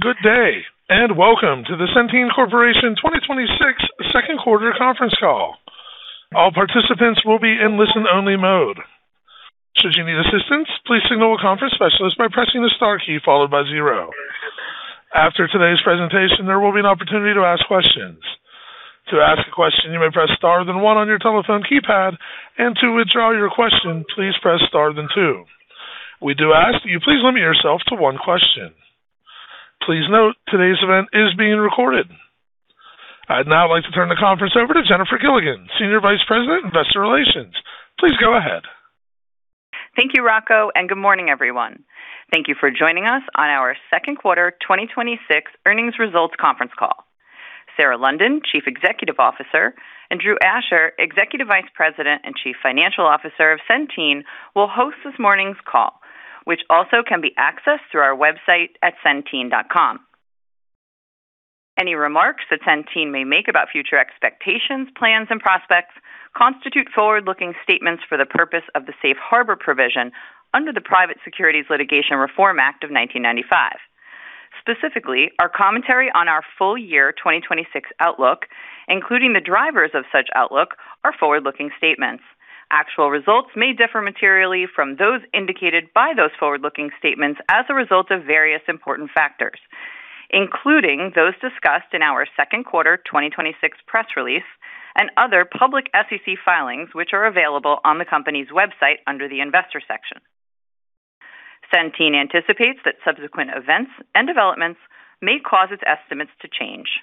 Good day. Welcome to the Centene Corporation 2026 second quarter conference call. All participants will be in listen-only mode. Should you need assistance, please signal a conference specialist by pressing the star key followed by zero. After today's presentation, there will be an opportunity to ask questions. To ask a question, you may press star then one on your telephone keypad. To withdraw your question, please press star the two. We do ask that you please limit yourself to one question. Please note today's event is being recorded. I'd now like to turn the conference over to Jennifer Gilligan, Senior Vice President of Investor Relations. Please go ahead. Thank you, Rocco. Good morning, everyone. Thank you for joining us on our second quarter 2026 earnings results conference call. Sarah London, Chief Executive Officer, and Drew Asher, Executive Vice President and Chief Financial Officer of Centene, will host this morning's call, which also can be accessed through our website at centene.com. Any remarks that Centene may make about future expectations, plans, and prospects constitute forward-looking statements for the purpose of the Safe Harbor provision under the Private Securities Litigation Reform Act of 1995. Specifically, our commentary on our full year 2026 outlook, including the drivers of such outlook, are forward-looking statements. Actual results may differ materially from those indicated by those forward-looking statements as a result of various important factors, including those discussed in our second quarter 2026 press release and other public SEC filings, which are available on the company's website under the investor section. Centene anticipates that subsequent events and developments may cause its estimates to change.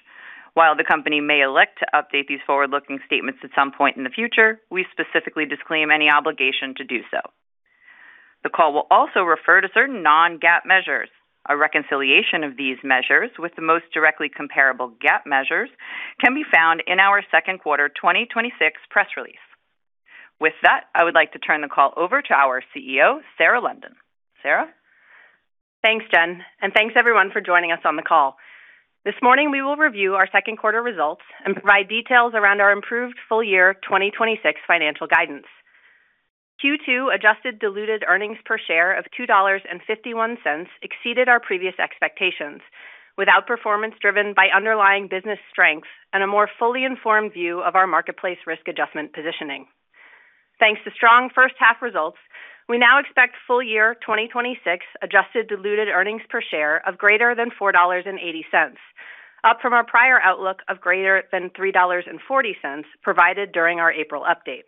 While the company may elect to update these forward-looking statements at some point in the future, we specifically disclaim any obligation to do so. The call will also refer to certain non-GAAP measures. A reconciliation of these measures with the most directly comparable GAAP measures can be found in our second quarter 2026 press release. With that, I would like to turn the call over to our CEO, Sarah London. Sarah? Thanks, Jen. Thanks everyone for joining us on the call. This morning, we will review our second quarter results and provide details around our improved full year 2026 financial guidance. Q2 adjusted diluted earnings per share of $2.51 exceeded our previous expectations, with outperformance driven by underlying business strengths and a more fully informed view of our Marketplace risk adjustment positioning. Thanks to strong first-half results, we now expect full year 2026 adjusted diluted earnings per share of greater than $4.80, up from our prior outlook of greater than $3.40 provided during our April update.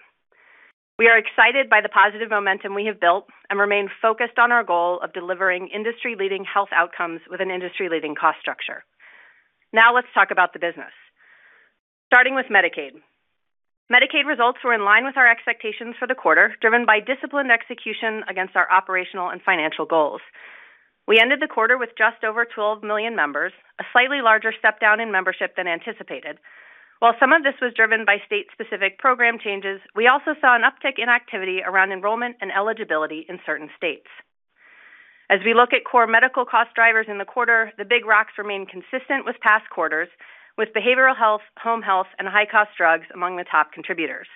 We are excited by the positive momentum we have built and remain focused on our goal of delivering industry-leading health outcomes with an industry-leading cost structure. Now let's talk about the business. Starting with Medicaid. Medicaid results were in line with our expectations for the quarter, driven by disciplined execution against our operational and financial goals. We ended the quarter with just over 12 million members, a slightly larger step-down in membership than anticipated. While some of this was driven by state-specific program changes, we also saw an uptick in activity around enrollment and eligibility in certain states. As we look at core medical cost drivers in the quarter, the big rocks remain consistent with past quarters, with behavioral health, home health, and high-cost drugs among the top contributors.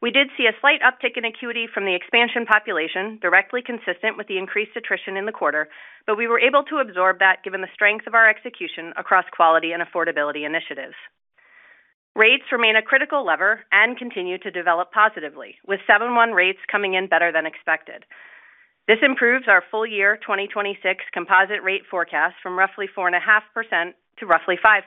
We did see a slight uptick in acuity from the expansion population, directly consistent with the increased attrition in the quarter, but we were able to absorb that given the strength of our execution across quality and affordability initiatives. Rates remain a critical lever and continue to develop positively, with seven one rates coming in better than expected. This improves our full year 2026 composite rate forecast from roughly 4.5% to roughly 5%.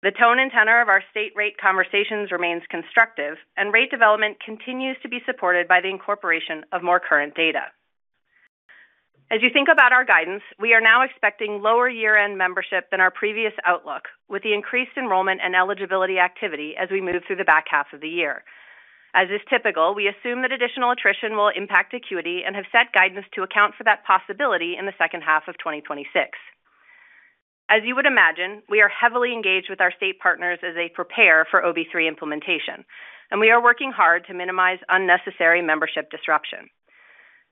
The tone and tenor of our state rate conversations remains constructive, rate development continues to be supported by the incorporation of more current data. As you think about our guidance, we are now expecting lower year-end membership than our previous outlook, with the increased enrollment and eligibility activity as we move through the back half of the year. As is typical, we assume that additional attrition will impact acuity and have set guidance to account for that possibility in the second half of 2026. As you would imagine, we are heavily engaged with our state partners as they prepare for OB3 implementation, we are working hard to minimize unnecessary membership disruption.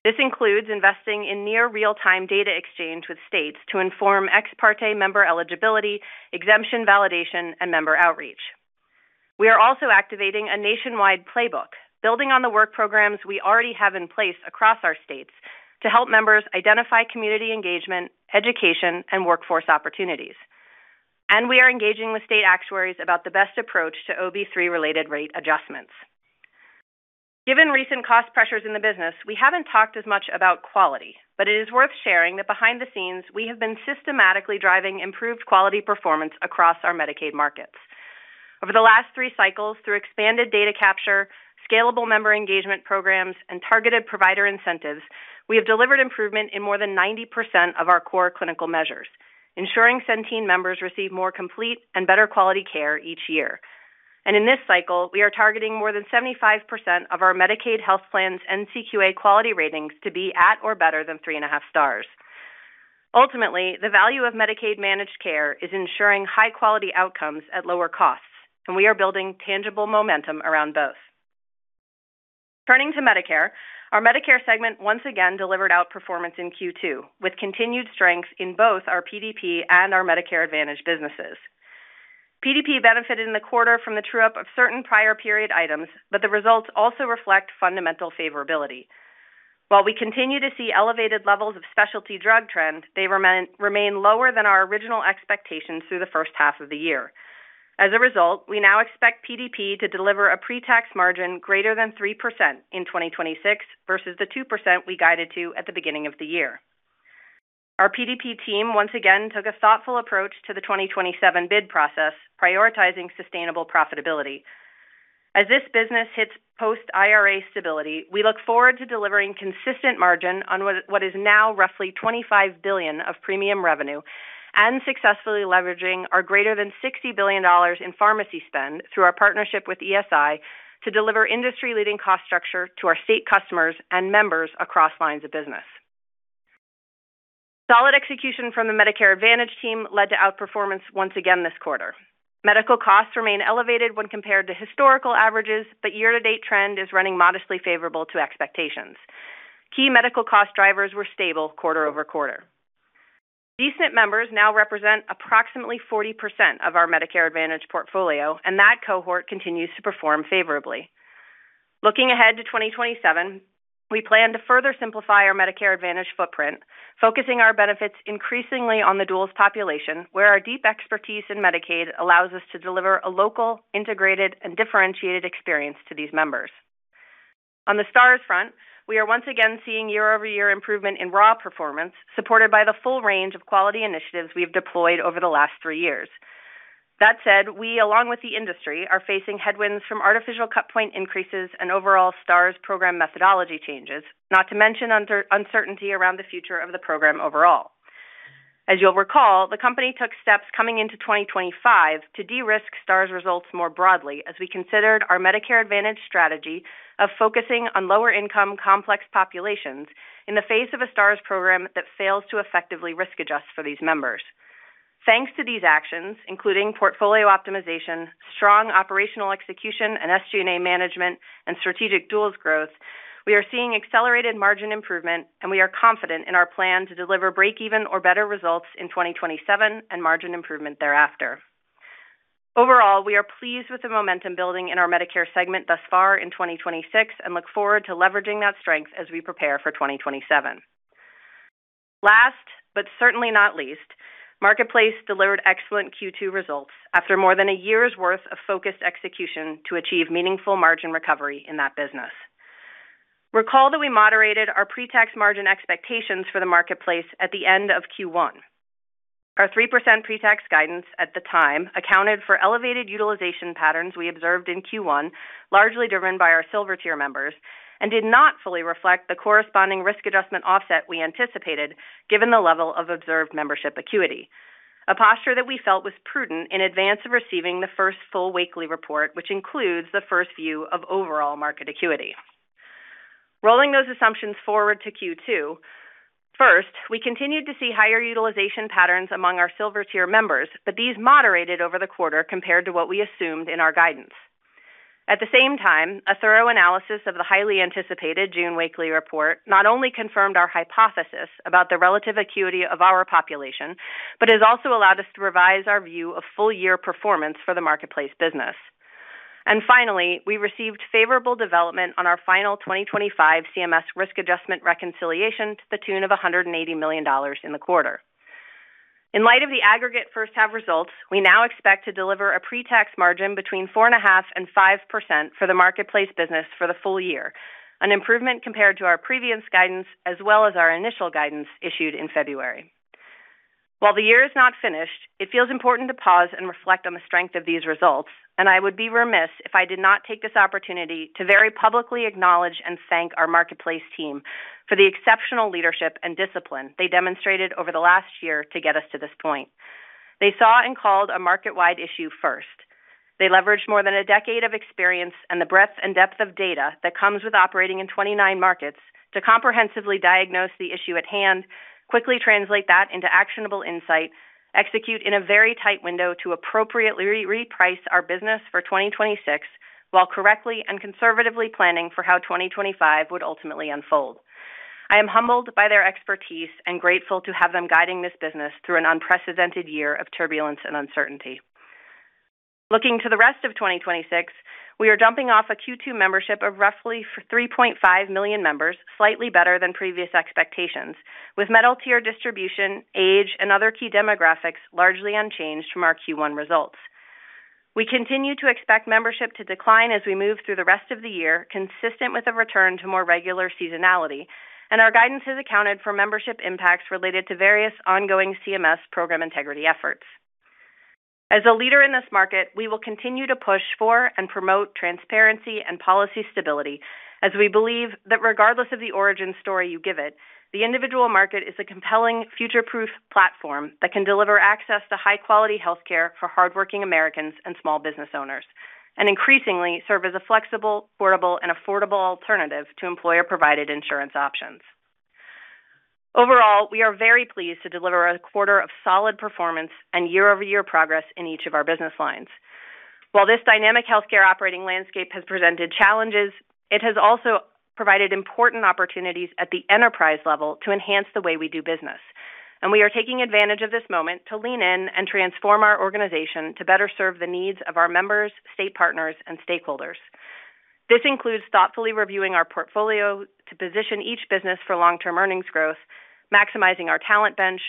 This includes investing in near real-time data exchange with states to inform ex parte member eligibility, exemption validation, and member outreach. We are also activating a nationwide playbook, building on the work programs we already have in place across our states to help members identify community engagement, education, and workforce opportunities. We are engaging with state actuaries about the best approach to OB3-related rate adjustments. Given recent cost pressures in the business, we haven't talked as much about quality, but it is worth sharing that behind the scenes, we have been systematically driving improved quality performance across our Medicaid markets. Over the last three cycles, through expanded data capture, scalable member engagement programs, and targeted provider incentives, we have delivered improvement in more than 90% of our core clinical measures, ensuring Centene members receive more complete and better quality care each year. In this cycle, we are targeting more than 75% of our Medicaid health plans NCQA quality ratings to be at or better than three and a half stars. Ultimately, the value of Medicaid managed care is ensuring high-quality outcomes at lower costs, we are building tangible momentum around both. Turning to Medicare, our Medicare segment once again delivered outperformance in Q2, with continued strength in both our PDP and our Medicare Advantage businesses. PDP benefited in the quarter from the true-up of certain prior period items, but the results also reflect fundamental favorability. While we continue to see elevated levels of specialty drug trends, they remain lower than our original expectations through the first half of the year. As a result, we now expect PDP to deliver a pre-tax margin greater than 3% in 2026 versus the 2% we guided to at the beginning of the year. Our PDP team once again took a thoughtful approach to the 2027 bid process, prioritizing sustainable profitability. As this business hits post IRA stability, we look forward to delivering consistent margin on what is now roughly $25 billion of premium revenue and successfully leveraging our greater than $60 billion in pharmacy spend through our partnership with ESI to deliver industry-leading cost structure to our state customers and members across lines of business. Solid execution from the Medicare Advantage team led to outperformance once again this quarter. Medical costs remain elevated when compared to historical averages, but year-to-date trend is running modestly favorable to expectations. Key medical cost drivers were stable quarter-over-quarter. D-SNP members now represent approximately 40% of our Medicare Advantage portfolio, and that cohort continues to perform favorably. Looking ahead to 2027, we plan to further simplify our Medicare Advantage footprint, focusing our benefits increasingly on the duals population, where our deep expertise in Medicaid allows us to deliver a local, integrated, and differentiated experience to these members. On the Stars front, we are once again seeing year-over-year improvement in raw performance, supported by the full range of quality initiatives we have deployed over the last three years. That said, we, along with the industry, are facing headwinds from artificial cut point increases and overall Stars program methodology changes, not to mention uncertainty around the future of the program overall. As you'll recall, the company took steps coming into 2025 to de-risk Stars results more broadly as we considered our Medicare Advantage strategy of focusing on lower income, complex populations in the face of a Stars program that fails to effectively risk adjust for these members. Thanks to these actions, including portfolio optimization, strong operational execution, and SG&A management and strategic duals growth, we are seeing accelerated margin improvement, and we are confident in our plan to deliver break even or better results in 2027 and margin improvement thereafter. Overall, we are pleased with the momentum building in our Medicare segment thus far in 2026 and look forward to leveraging that strength as we prepare for 2027. Last, but certainly not least, Marketplace delivered excellent Q2 results after more than a year's worth of focused execution to achieve meaningful margin recovery in that business. Recall that we moderated our pre-tax margin expectations for the Marketplace at the end of Q1. Our 3% pre-tax guidance at the time accounted for elevated utilization patterns we observed in Q1, largely driven by our silver tier members, and did not fully reflect the corresponding risk adjustment offset we anticipated given the level of observed membership acuity. A posture that we felt was prudent in advance of receiving the first full Wakely report, which includes the first view of overall market acuity. Rolling those assumptions forward to Q2, first, we continued to see higher utilization patterns among our silver tier members, but these moderated over the quarter compared to what we assumed in our guidance. At the same time, a thorough analysis of the highly anticipated June Wakely report not only confirmed our hypothesis about the relative acuity of our population, but has also allowed us to revise our view of full year performance for the Marketplace business. Finally, we received favorable development on our final 2025 CMS risk adjustment reconciliation to the tune of $180 million in the quarter. In light of the aggregate first half results, we now expect to deliver a pre-tax margin between 4.5% and 5% for the Marketplace business for the full year, an improvement compared to our previous guidance as well as our initial guidance issued in February. While the year is not finished, it feels important to pause and reflect on the strength of these results. I would be remiss if I did not take this opportunity to very publicly acknowledge and thank our Marketplace team for the exceptional leadership and discipline they demonstrated over the last year to get us to this point. They saw and called a market-wide issue first. They leveraged more than a decade of experience and the breadth and depth of data that comes with operating in 29 markets to comprehensively diagnose the issue at hand, quickly translate that into actionable insight, execute in a very tight window to appropriately reprice our business for 2026 while correctly and conservatively planning for how 2025 would ultimately unfold. I am humbled by their expertise and grateful to have them guiding this business through an unprecedented year of turbulence and uncertainty. Looking to the rest of 2026, we are jumping off a Q2 membership of roughly 3.5 million members, slightly better than previous expectations, with metal tier distribution, age, and other key demographics largely unchanged from our Q1 results. We continue to expect membership to decline as we move through the rest of the year, consistent with a return to more regular seasonality, and our guidance has accounted for membership impacts related to various ongoing CMS program integrity efforts. As a leader in this market, we will continue to push for and promote transparency and policy stability as we believe that regardless of the origin story you give it, the individual market is a compelling future-proof platform that can deliver access to high-quality health care for hardworking Americans and small business owners, and increasingly serve as a flexible, portable, and affordable alternative to employer-provided insurance options. Overall, we are very pleased to deliver a quarter of solid performance and year-over-year progress in each of our business lines. While this dynamic healthcare operating landscape has presented challenges, it has also provided important opportunities at the enterprise level to enhance the way we do business. We are taking advantage of this moment to lean in and transform our organization to better serve the needs of our members, state partners, and stakeholders. This includes thoughtfully reviewing our portfolio to position each business for long-term earnings growth, maximizing our talent bench,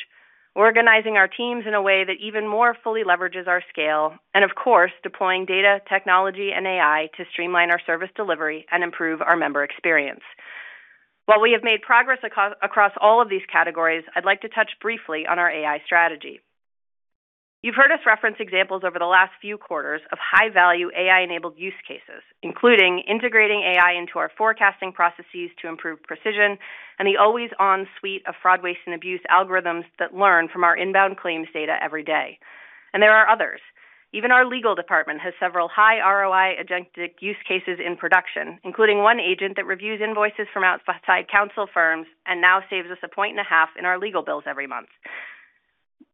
organizing our teams in a way that even more fully leverages our scale, and of course, deploying data, technology, and AI to streamline our service delivery and improve our member experience. While we have made progress across all of these categories, I'd like to touch briefly on our AI strategy. You've heard us reference examples over the last few quarters of high-value AI-enabled use cases, including integrating AI into our forecasting processes to improve precision and the always-on suite of fraud, waste, and abuse algorithms that learn from our inbound claims data every day. There are others. Even our legal department has several high ROI adjunctive use cases in production, including one agent that reviews invoices from outside counsel firms and now saves us a point and a half in our legal bills every month.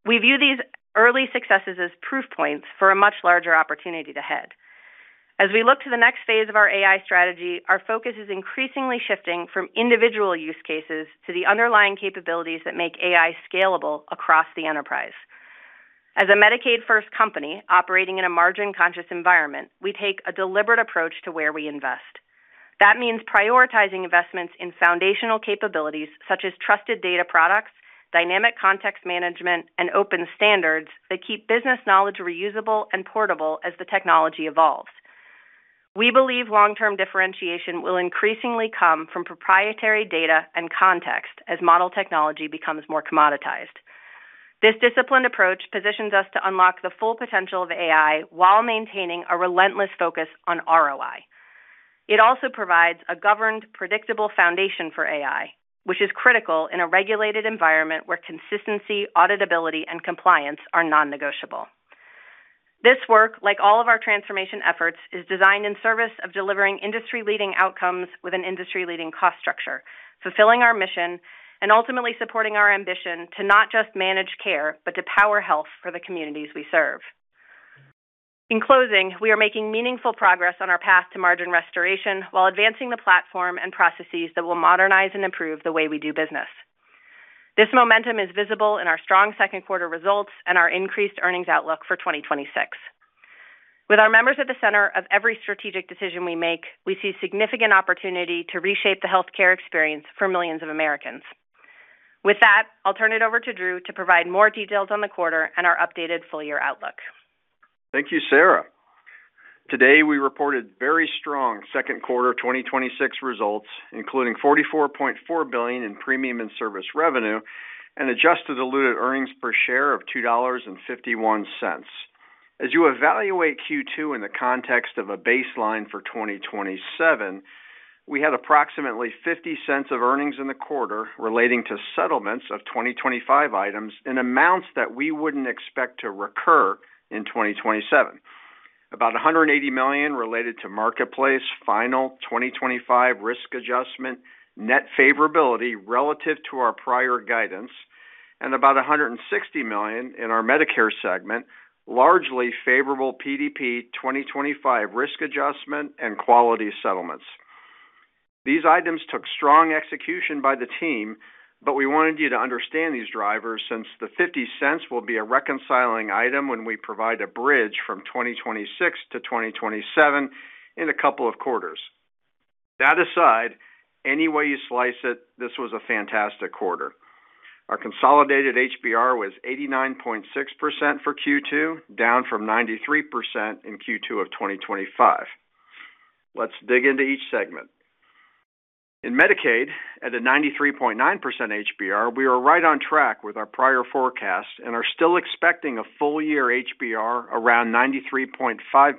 We view these early successes as proof points for a much larger opportunity ahead. As we look to the next phase of our AI strategy, our focus is increasingly shifting from individual use cases to the underlying capabilities that make AI scalable across the enterprise. As a Medicaid-first company operating in a margin-conscious environment, we take a deliberate approach to where we invest. That means prioritizing investments in foundational capabilities such as trusted data products, dynamic context management, and open standards that keep business knowledge reusable and portable as the technology evolves. We believe long-term differentiation will increasingly come from proprietary data and context as model technology becomes more commoditized. This disciplined approach positions us to unlock the full potential of AI while maintaining a relentless focus on ROI. It also provides a governed, predictable foundation for AI, which is critical in a regulated environment where consistency, auditability, and compliance are non-negotiable. This work, like all of our transformation efforts, is designed in service of delivering industry-leading outcomes with an industry-leading cost structure, fulfilling our mission and ultimately supporting our ambition to not just manage care, but to power health for the communities we serve. In closing, we are making meaningful progress on our path to margin restoration while advancing the platform and processes that will modernize and improve the way we do business. This momentum is visible in our strong second quarter results and our increased earnings outlook for 2026. With our members at the center of every strategic decision we make, we see significant opportunity to reshape the healthcare experience for millions of Americans. With that, I'll turn it over to Drew to provide more details on the quarter and our updated full-year outlook. Thank you, Sarah. Today, we reported very strong second quarter 2026 results, including $44.4 billion in premium and service revenue and adjusted diluted earnings per share of $2.51. As you evaluate Q2 in the context of a baseline for 2027, we had approximately $0.50 of earnings in the quarter relating to settlements of 2025 items in amounts that we wouldn't expect to recur in 2027. About $180 million related to Marketplace final 2025 risk adjustment, net favorability relative to our prior guidance, and about $160 million in our Medicare segment, largely favorable PDP 2025 risk adjustment and quality settlements. These items took strong execution by the team, we wanted you to understand these drivers since the $0.50 will be a reconciling item when we provide a bridge from 2026 to 2027 in a couple of quarters. That aside, any way you slice it, this was a fantastic quarter. Our consolidated HBR was 89.6% for Q2, down from 93% in Q2 of 2025. Let's dig into each segment. In Medicaid, at a 93.9% HBR, we are right on track with our prior forecast and are still expecting a full year HBR around 93.5%.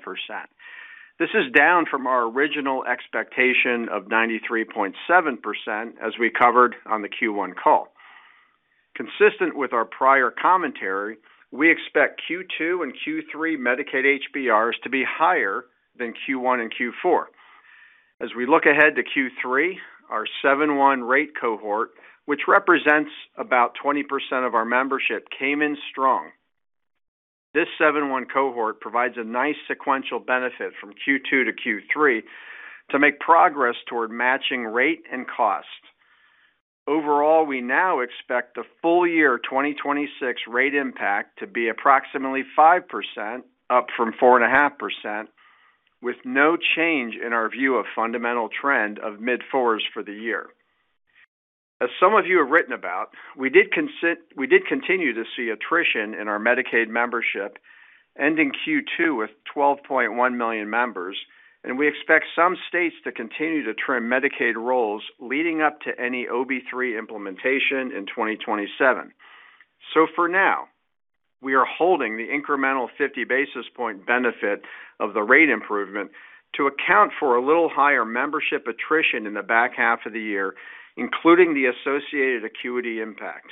This is down from our original expectation of 93.7%, as we covered on the Q1 call. Consistent with our prior commentary, we expect Q2 and Q3 Medicaid HBRs to be higher than Q1 and Q4. As we look ahead to Q3, our 7/1 rate cohort, which represents about 20% of our membership, came in strong. This 7/1 cohort provides a nice sequential benefit from Q2 to Q3 to make progress toward matching rate and cost. Overall, we now expect the full year 2026 rate impact to be approximately 5%, up from 4.5%, with no change in our view of fundamental trend of mid-four for the year. As some of you have written about, we did continue to see attrition in our Medicaid membership, ending Q2 with 12.1 million members, and we expect some states to continue to trim Medicaid rolls leading up to any OB3 implementation in 2027. For now, we are holding the incremental 50 basis points benefit of the rate improvement to account for a little higher membership attrition in the back half of the year, including the associated acuity impact.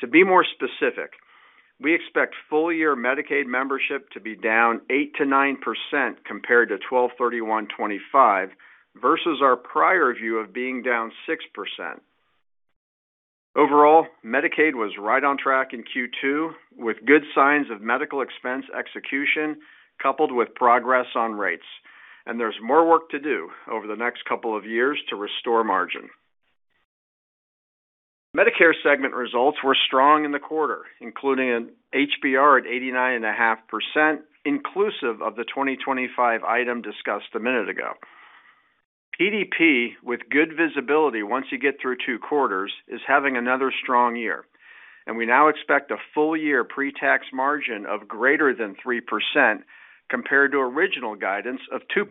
To be more specific, we expect full-year Medicaid membership to be down 8%-9% compared to 12/31/2025 versus our prior view of being down 6%. Overall, Medicaid was right on track in Q2 with good signs of medical expense execution coupled with progress on rates. There's more work to do over the next couple of years to restore margin. Medicare segment results were strong in the quarter, including an HBR at 89.5%, inclusive of the 2025 item discussed a minute ago. PDP, with good visibility once you get through two quarters, is having another strong year. We now expect a full year pre-tax margin of greater than 3%, compared to original guidance of 2%.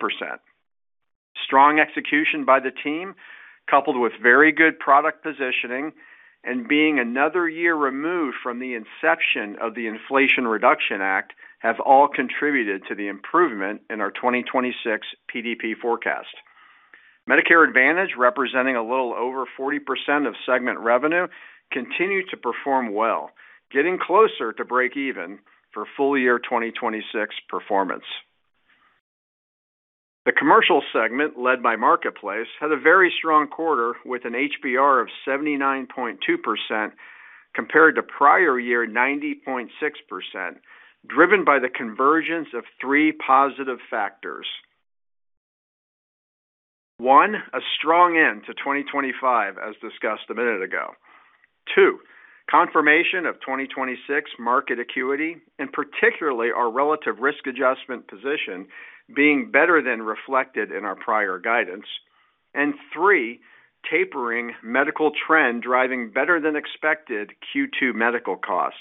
Strong execution by the team, coupled with very good product positioning and being another year removed from the inception of the Inflation Reduction Act, have all contributed to the improvement in our 2026 PDP forecast. Medicare Advantage, representing a little over 40% of segment revenue, continued to perform well, getting closer to break even for full year 2026 performance. The commercial segment, led by Marketplace, had a very strong quarter with an HBR of 79.2%, compared to prior year 90.6%, driven by the convergence of three positive factors. One, a strong end to 2025, as discussed a minute ago. Two, confirmation of 2026 market acuity, and particularly our relative risk adjustment position being better than reflected in our prior guidance. Three, tapering medical trend driving better than expected Q2 medical costs.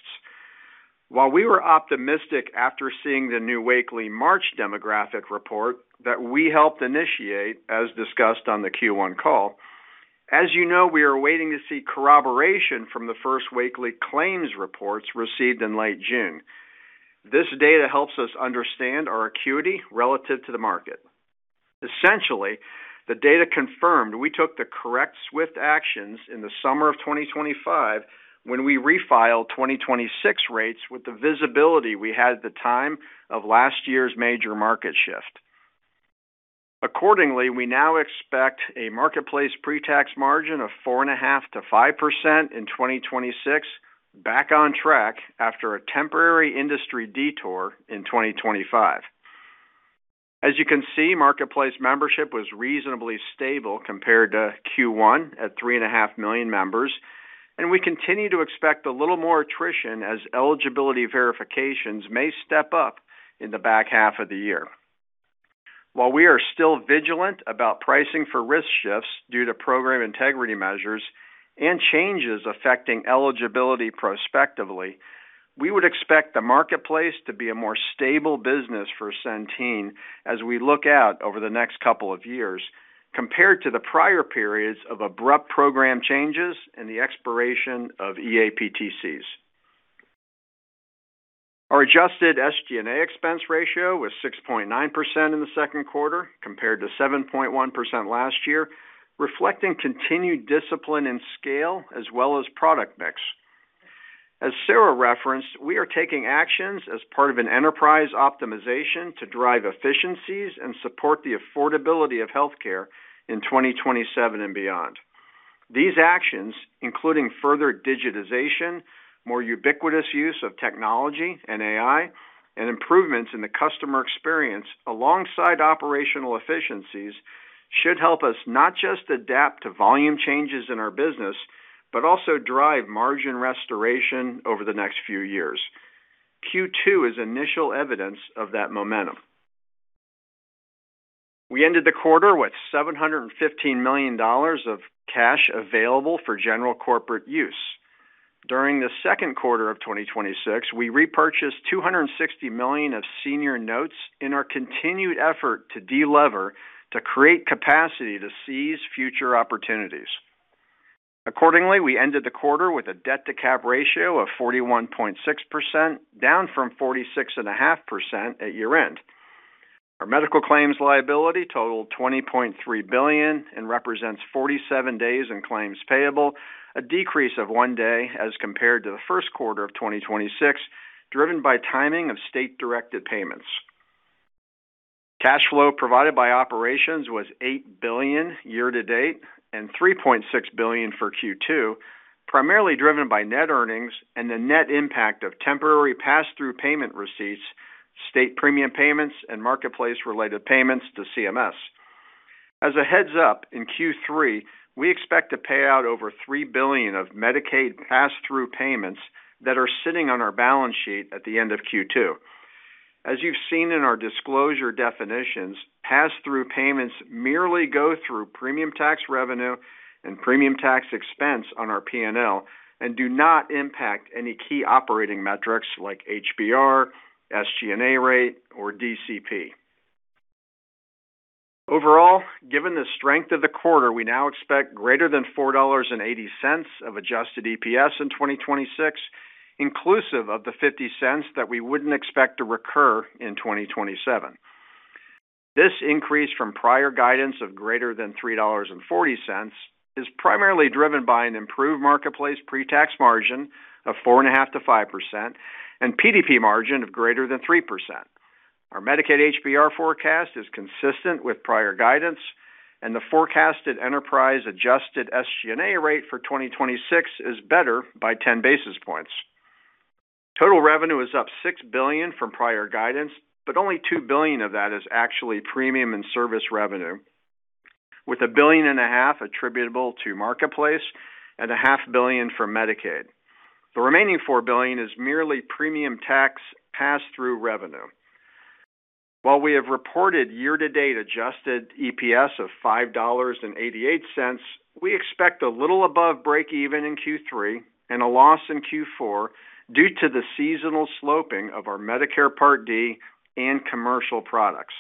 While we were optimistic after seeing the new Wakely March demographic report that we helped initiate, as discussed on the Q1 call, as you know, we are waiting to see corroboration from the first Wakely claims reports received in late June. This data helps us understand our acuity relative to the market. Essentially, the data confirmed we took the correct swift actions in the summer of 2025 when we refiled 2026 rates with the visibility we had at the time of last year's major market shift. Accordingly, we now expect a Marketplace pre-tax margin of 4.5%-5% in 2026, back on track after a temporary industry detour in 2025. As you can see, Marketplace membership was reasonably stable compared to Q1, at 3.5 million members, and we continue to expect a little more attrition as eligibility verifications may step up in the back half of the year. While we are still vigilant about pricing for risk shifts due to program integrity measures and changes affecting eligibility prospectively, we would expect the Marketplace to be a more stable business for Centene as we look out over the next couple of years, compared to the prior periods of abrupt program changes and the expiration of eAPTCs. Our adjusted SG&A expense ratio was 6.9% in the second quarter, compared to 7.1% last year, reflecting continued discipline and scale, as well as product mix. As Sarah referenced, we are taking actions as part of an enterprise optimization to drive efficiencies and support the affordability of healthcare in 2027 and beyond. These actions, including further digitization, more ubiquitous use of technology and AI, and improvements in the customer experience alongside operational efficiencies, should help us not just adapt to volume changes in our business, but also drive margin restoration over the next few years. Q2 is initial evidence of that momentum. We ended the quarter with $715 million of cash available for general corporate use. During the second quarter of 2026, we repurchased $260 million of senior notes in our continued effort to delever to create capacity to seize future opportunities. Accordingly, we ended the quarter with a debt to cap ratio of 41.6%, down from 46.5% at year-end. Our medical claims liability totaled $20.3 billion and represents 47 days in claims payable, a decrease of one day as compared to the first quarter of 2026, driven by timing of State Directed Payments. Cash flow provided by operations was $8 billion year-to-date and $3.6 billion for Q2, primarily driven by net earnings and the net impact of temporary passthrough payment receipts, state premium payments, and Marketplace-related payments to CMS. As a heads up, in Q3, we expect to pay out over $3 billion of Medicaid passthrough payments that are sitting on our balance sheet at the end of Q2. As you've seen in our disclosure definitions, passthrough payments merely go through premium tax revenue and premium tax expense on our P&L and do not impact any key operating metrics like HBR, SG&A rate, or DCP. Overall, given the strength of the quarter, we now expect greater than $4.80 of adjusted EPS in 2026, inclusive of the $0.50 that we wouldn't expect to recur in 2027. This increase from prior guidance of greater than $3.40 is primarily driven by an improved Marketplace pre-tax margin of 4.5%-5%, and PDP margin of greater than 3%. Our Medicaid HBR forecast is consistent with prior guidance. The forecasted enterprise adjusted SG&A rate for 2026 is better by 10 basis points. Total revenue is up $6 billion from prior guidance. Only $2 billion of that is actually premium and service revenue, with a billion and a half attributable to Marketplace and a half billion for Medicaid. The remaining $4 billion is merely premium tax pass-through revenue. While we have reported year-to-date adjusted EPS of $5.88, we expect a little above breakeven in Q3 and a loss in Q4 due to the seasonal sloping of our Medicare Part D and commercial products.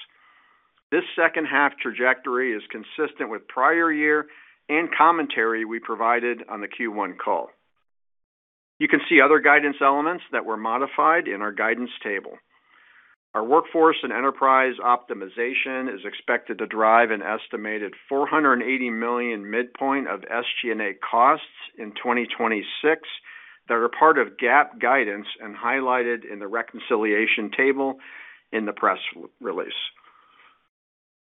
This second half trajectory is consistent with prior year and commentary we provided on the Q1 call. You can see other guidance elements that were modified in our guidance table. Our workforce and enterprise optimization is expected to drive an estimated $480 million midpoint of SG&A costs in 2026 that are part of GAAP guidance and highlighted in the reconciliation table in the press release.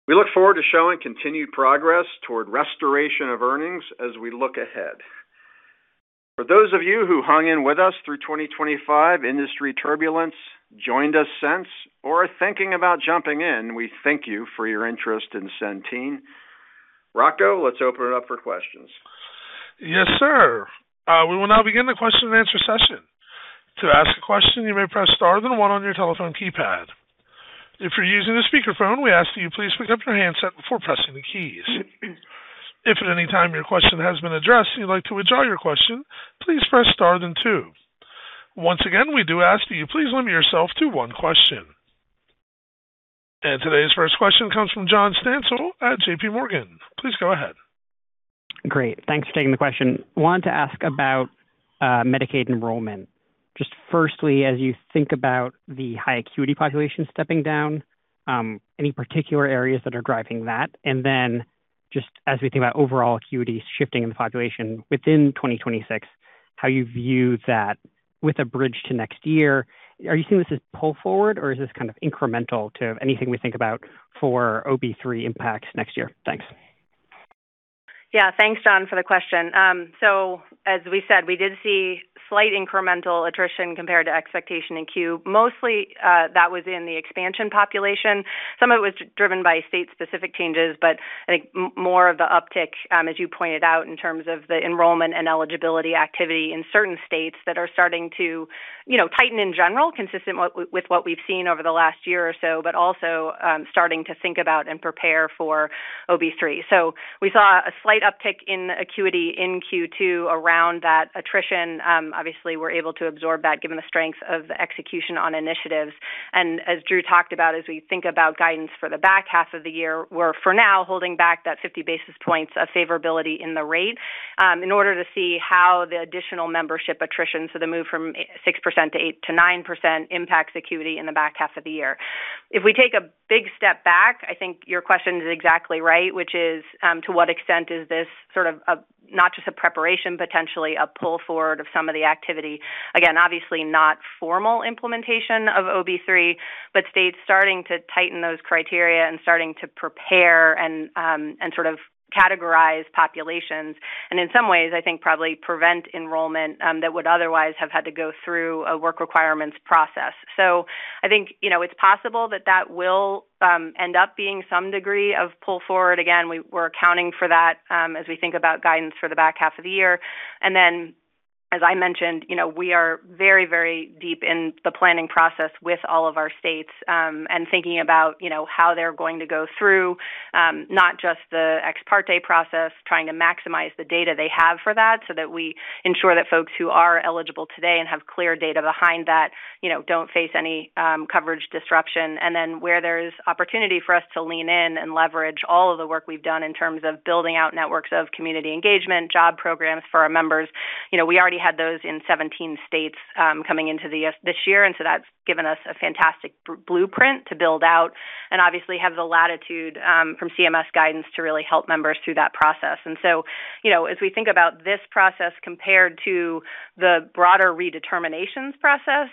We look forward to showing continued progress toward restoration of earnings as we look ahead. For those of you who hung in with us through 2025 industry turbulence, joined us since, or are thinking about jumping in, we thank you for your interest in Centene. Rocco, let's open it up for questions. Yes, sir. We will now begin the question and answer session. To ask a question, you may press star then one on your telephone keypad. If you're using a speakerphone, we ask that you please pick up your handset before pressing the keys. If at any time your question has been addressed and you'd like to withdraw your question, please press star then two. Once again, we do ask that you please limit yourself to one question. Today's first question comes from John Stansel at JPMorgan. Please go ahead. Great. Thanks for taking the question. Wanted to ask about Medicaid enrollment. Just firstly, as you think about the high acuity population stepping down, any particular areas that are driving that? Then just as we think about overall acuity shifting in the population within 2026, how you view that with a bridge to next year. Are you seeing this as pull forward, or is this kind of incremental to anything we think about for OB3 impacts next year? Thanks. Thanks, John, for the question. As we said, we did see slight incremental attrition compared to expectation in Q. Mostly, that was in the expansion population. Some of it was driven by state-specific changes, more of the uptick, as you pointed out, in terms of the enrollment and eligibility activity in certain states that are starting to tighten in general, consistent with what we've seen over the last year or so, also starting to think about and prepare for OB3. We saw a slight uptick in acuity in Q2 around that attrition. Obviously, we're able to absorb that given the strength of the execution on initiatives. As Drew talked about, as we think about guidance for the back half of the year, we're for now holding back that 50 basis points of favorability in the rate in order to see how the additional membership attrition, so the move from 6% to 8 to 9%, impacts acuity in the back half of the year. If we take a big step back, I think your question is exactly right, which is, to what extent is this sort of not just a preparation, potentially a pull forward of some of the activity. Again, obviously not formal implementation of OB3, states starting to tighten those criteria and starting to prepare and sort of categorize populations, and in some ways, I think probably prevent enrollment that would otherwise have had to go through a work requirements process. I think it's possible that that will end up being some degree of pull forward. Again, we're accounting for that as we think about guidance for the back half of the year. Then, as I mentioned, we are very deep in the planning process with all of our states and thinking about how they're going to go through not just the ex parte process, trying to maximize the data they have for that, so that we ensure that folks who are eligible today and have clear data behind that don't face any coverage disruption. Then where there's opportunity for us to lean in and leverage all of the work we've done in terms of building out networks of community engagement, job programs for our members. We already had those in 17 states coming into this year. That's given us a fantastic blueprint to build out and obviously have the latitude from CMS guidance to really help members through that process. As we think about this process compared to the broader redeterminations process,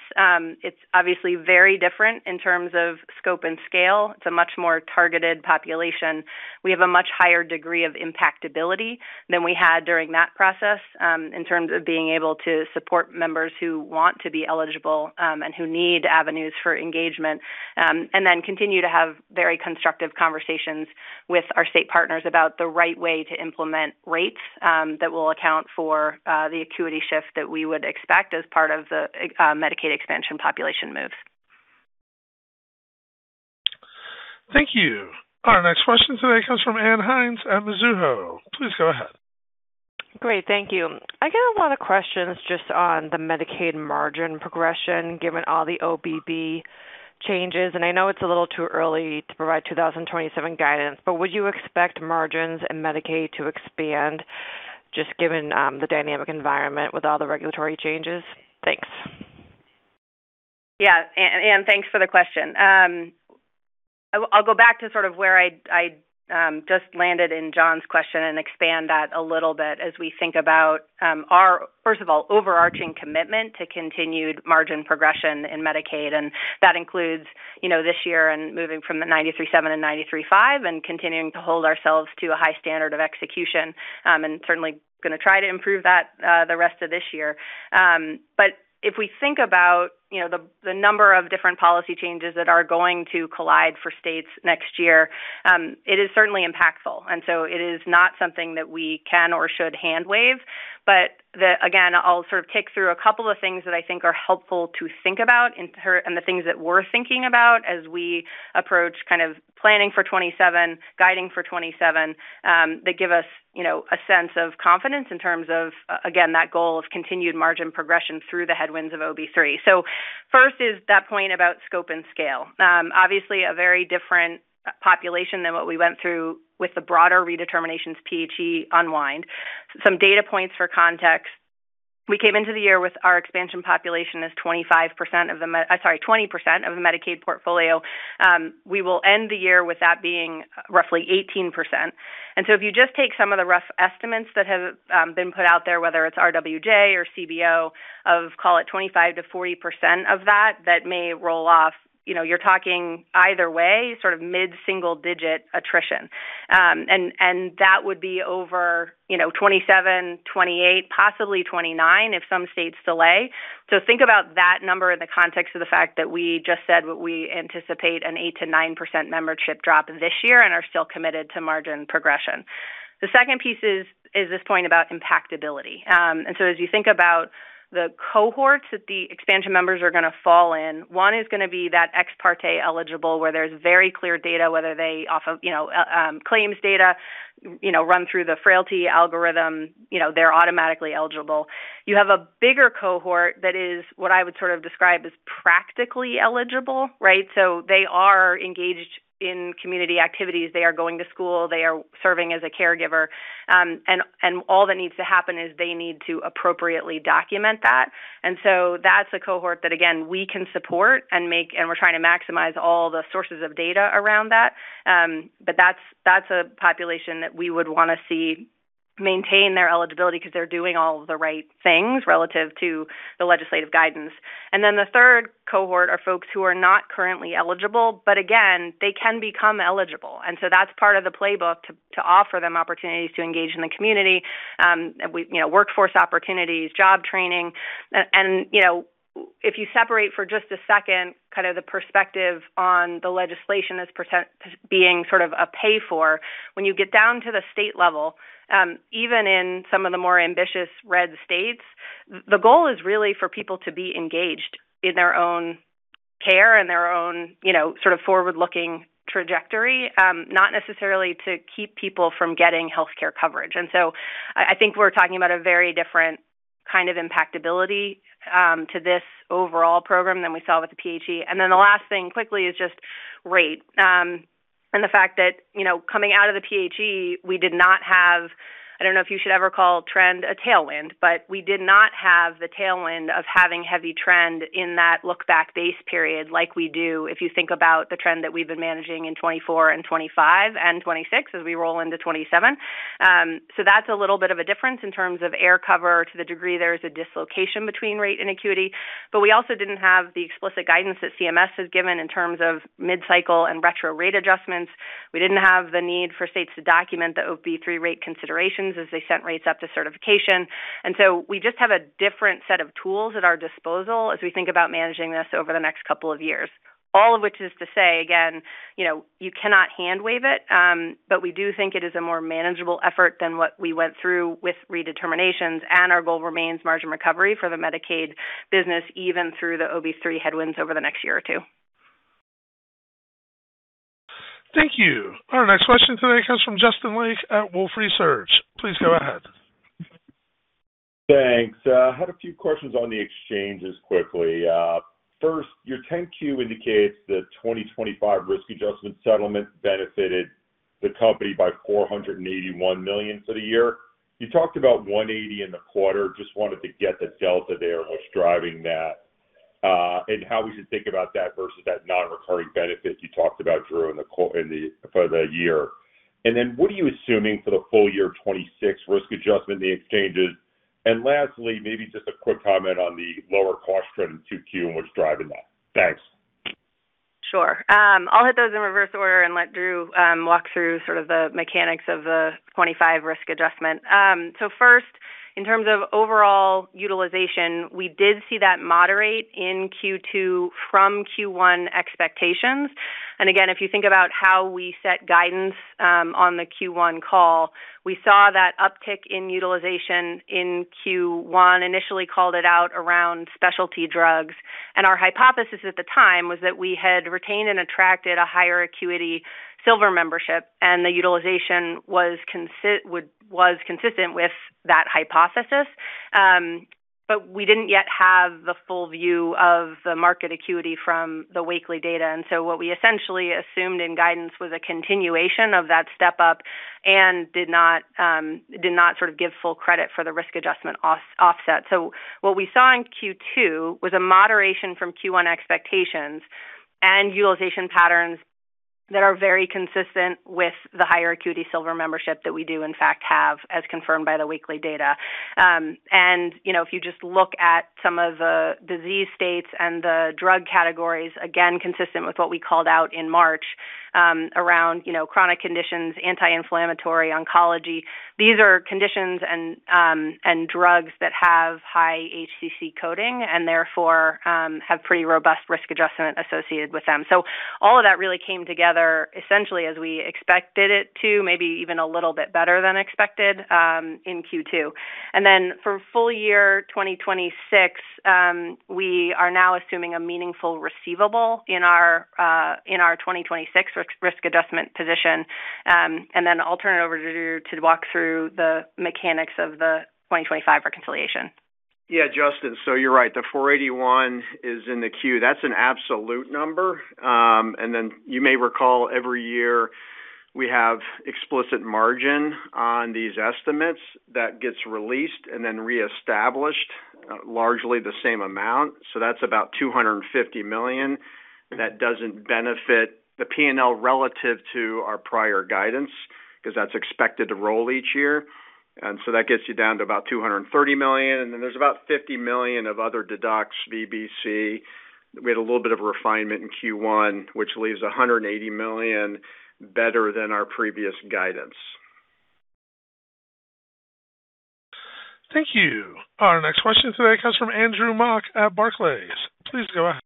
it's obviously very different in terms of scope and scale. It's a much more targeted population. We have a much higher degree of impactability than we had during that process, in terms of being able to support members who want to be eligible and who need avenues for engagement, then continue to have very constructive conversations with our state partners about the right way to implement rates that will account for the acuity shift that we would expect as part of the Medicaid expansion population moves. Thank you. Our next question today comes from Ann Hynes at Mizuho. Please go ahead. Great. Thank you. I got a lot of questions just on the Medicaid margin progression, given all the OBB changes. I know it's a little too early to provide 2027 guidance, would you expect margins and Medicaid to expand just given the dynamic environment with all the regulatory changes? Thanks. Ann, thanks for the question. I'll go back to sort of where I just landed in John's question and expand that a little bit as we think about our, first of all, overarching commitment to continued margin progression in Medicaid. That includes this year and moving from the 93.7% and 93.5% and continuing to hold ourselves to a high standard of execution, certainly going to try to improve that the rest of this year. If we think about the number of different policy changes that are going to collide for states next year, it is certainly impactful. It is not something that we can or should hand wave. Again, I'll sort of tick through a couple of things that I think are helpful to think about and the things that we're thinking about as we approach kind of planning for 2027, guiding for 2027, that give us a sense of confidence in terms of, again, that goal of continued margin progression through the headwinds of OB3. First is that point about scope and scale. Obviously, a very different population than what we went through with the broader redeterminations PHE unwind. Some data points for context. We came into the year with our expansion population as 20% of the Medicaid portfolio. We will end the year with that being roughly 18%. If you just take some of the rough estimates that have been put out there, whether it's RWJ or CBO of, call it, 25%-40% of that may roll off. You're talking either way, sort of mid-single digit attrition. That would be over 2027, 2028, possibly 2029, if some states delay. Think about that number in the context of the fact that we just said what we anticipate an 8%-9% membership drop this year and are still committed to margin progression. The second piece is this point about impactability. As you think about the cohorts that the expansion members are going to fall in, one is going to be that ex parte eligible, where there's very clear data, whether they off of claims data run through the frailty algorithm, they're automatically eligible. You have a bigger cohort that is what I would sort of describe as practically eligible, right? They are engaged in community activities. They are going to school. They are serving as a caregiver. All that needs to happen is they need to appropriately document that. That's a cohort that, again, we can support and we're trying to maximize all the sources of data around that. That's a population that we would want to see maintain their eligibility because they're doing all of the right things relative to the legislative guidance. The third cohort are folks who are not currently eligible, again, they can become eligible. That's part of the playbook to offer them opportunities to engage in the community. Workforce opportunities, job training. If you separate for just a second kind of the perspective on the legislation as being sort of a pay for, when you get down to the state level, even in some of the more ambitious red states, the goal is really for people to be engaged in their own care and their own sort of forward-looking trajectory, not necessarily to keep people from getting healthcare coverage. I think we're talking about a very different kind of impactability to this overall program than we saw with the PHE. The last thing quickly is just rate. The fact that coming out of the PHE, we did not have, I don't know if you should ever call trend a tailwind, but we did not have the tailwind of having heavy trend in that lookback base period like we do if you think about the trend that we've been managing in 2024 and 2025 and 2026 as we roll into 2027. That's a little bit of a difference in terms of air cover to the degree there is a dislocation between rate and acuity. We also didn't have the explicit guidance that CMS has given in terms of mid-cycle and retro rate adjustments. We didn't have the need for states to document the OB3 rate considerations as they sent rates up to certification. We just have a different set of tools at our disposal as we think about managing this over the next couple of years. All of which is to say, again, you cannot hand wave it. We do think it is a more manageable effort than what we went through with redeterminations, and our goal remains margin recovery for the Medicaid business, even through the OB3 headwinds over the next year or two. Thank you. Our next question today comes from Justin Lake at Wolfe Research. Please go ahead. Thanks. I had a few questions on the exchanges quickly. First, your 10-Q indicates the 2025 risk adjustment settlement benefited the company by $481 million for the year. You talked about $180 in the quarter. Just wanted to get the delta there and what's driving that, and how we should think about that versus that non-recurring benefit you talked about, Drew, for the year. What are you assuming for the full year 2026 risk adjustment in the exchanges? Lastly, maybe just a quick comment on the lower cost trend in Q2 and what's driving that. Thanks. Sure. I'll hit those in reverse order and let Drew walk through sort of the mechanics of the 2025 risk adjustment. First, in terms of overall utilization, we did see that moderate in Q2 from Q1 expectations. Again, if you think about how we set guidance on the Q1 call, we saw that uptick in utilization in Q1, initially called it out around specialty drugs. Our hypothesis at the time was that we had retained and attracted a higher acuity Silver membership, and the utilization was consistent with that hypothesis. We didn't yet have the full view of the market acuity from the Wakely data. What we essentially assumed in guidance was a continuation of that step-up and did not sort of give full credit for the risk adjustment offset. What we saw in Q2 was a moderation from Q1 expectations and utilization patterns that are very consistent with the higher acuity Silver membership that we do in fact have, as confirmed by the Wakely data. If you just look at some of the disease states and the drug categories, again, consistent with what we called out in March, around chronic conditions, anti-inflammatory, oncology. These are conditions and drugs that have high HCC coding and therefore have pretty robust risk adjustment associated with them. All of that really came together essentially as we expected it to, maybe even a little bit better than expected, in Q2. For full year 2026, we are now assuming a meaningful receivable in our 2026 risk adjustment position. I'll turn it over to Drew to walk through the mechanics of the 2025 reconciliation. Yeah, Justin, you're right. The 481 is in the 10-Q. That's an absolute number. You may recall every year we have explicit margin on these estimates that gets released and then reestablished largely the same amount. That's about $250 million. That doesn't benefit the P&L relative to our prior guidance, because that's expected to roll each year. That gets you down to about $230 million. There's about $50 million of other deducts, VBC. We had a little bit of refinement in Q1, which leaves $180 million better than our previous guidance. Thank you. Our next question today comes from Andrew Mok at Barclays. Please go ahead.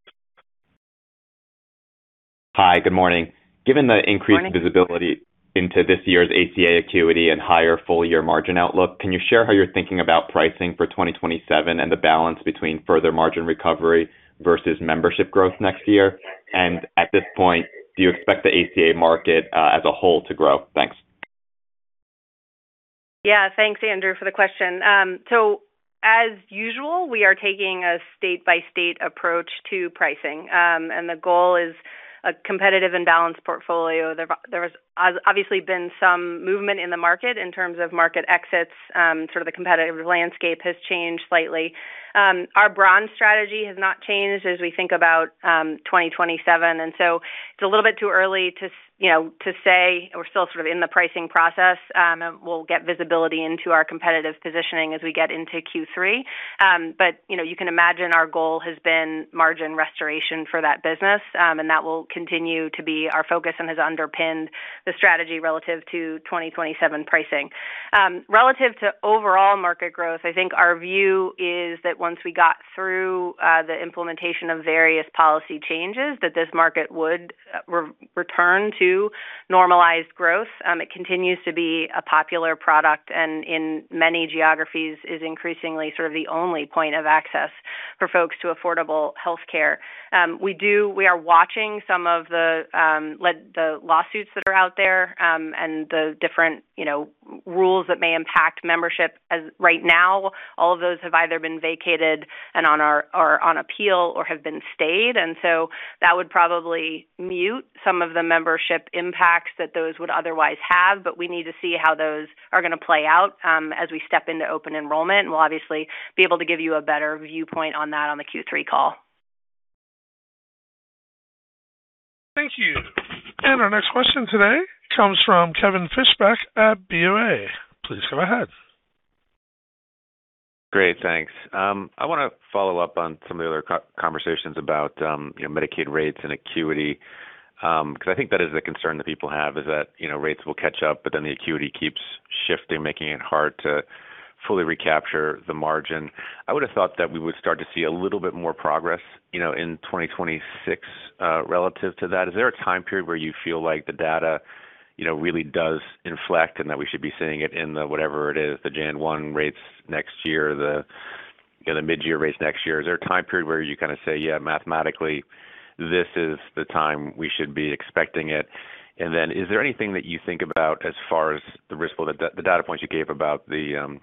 Hi, good morning. Morning. Given the increased visibility into this year's ACA acuity and higher full-year margin outlook, can you share how you're thinking about pricing for 2027 and the balance between further margin recovery versus membership growth next year? At this point, do you expect the ACA market, as a whole, to grow? Thanks. Yeah. Thanks, Andrew, for the question. As usual, we are taking a state-by-state approach to pricing. The goal is a competitive and balanced portfolio. There has obviously been some movement in the market in terms of market exits, the competitive landscape has changed slightly. Our bronze strategy has not changed as we think about 2027, and so it's a little bit too early to say. We're still in the pricing process, and we'll get visibility into our competitive positioning as we get into Q3. You can imagine our goal has been margin restoration for that business, and that will continue to be our focus and has underpinned the strategy relative to 2027 pricing. Relative to overall market growth, I think our view is that once we got through the implementation of various policy changes, that this market would return to normalized growth. It continues to be a popular product and in many geographies is increasingly the only point of access for folks to affordable healthcare. We are watching some of the lawsuits that are out there, and the different rules that may impact membership. As right now, all of those have either been vacated and are on appeal or have been stayed, and so that would probably mute some of the membership impacts that those would otherwise have. We need to see how those are going to play out as we step into open enrollment, and we'll obviously be able to give you a better viewpoint on that on the Q3 call. Thank you. Our next question today comes from Kevin Fischbeck at BofA. Please go ahead. Great, thanks. I want to follow up on some of the other conversations about Medicaid rates and acuity, because I think that is a concern that people have is that rates will catch up, but then the acuity keeps shifting, making it hard to fully recapture the margin. I would've thought that we would start to see a little bit more progress in 2026, relative to that. Is there a time period where you feel like the data really does inflect and that we should be seeing it in the whatever it is, the January 1 rates next year, the mid-year rates next year? Is there a time period where you say, "Yeah, mathematically, this is the time we should be expecting it"? Is there anything that you think about as far as the risk pool, the data points you gave about the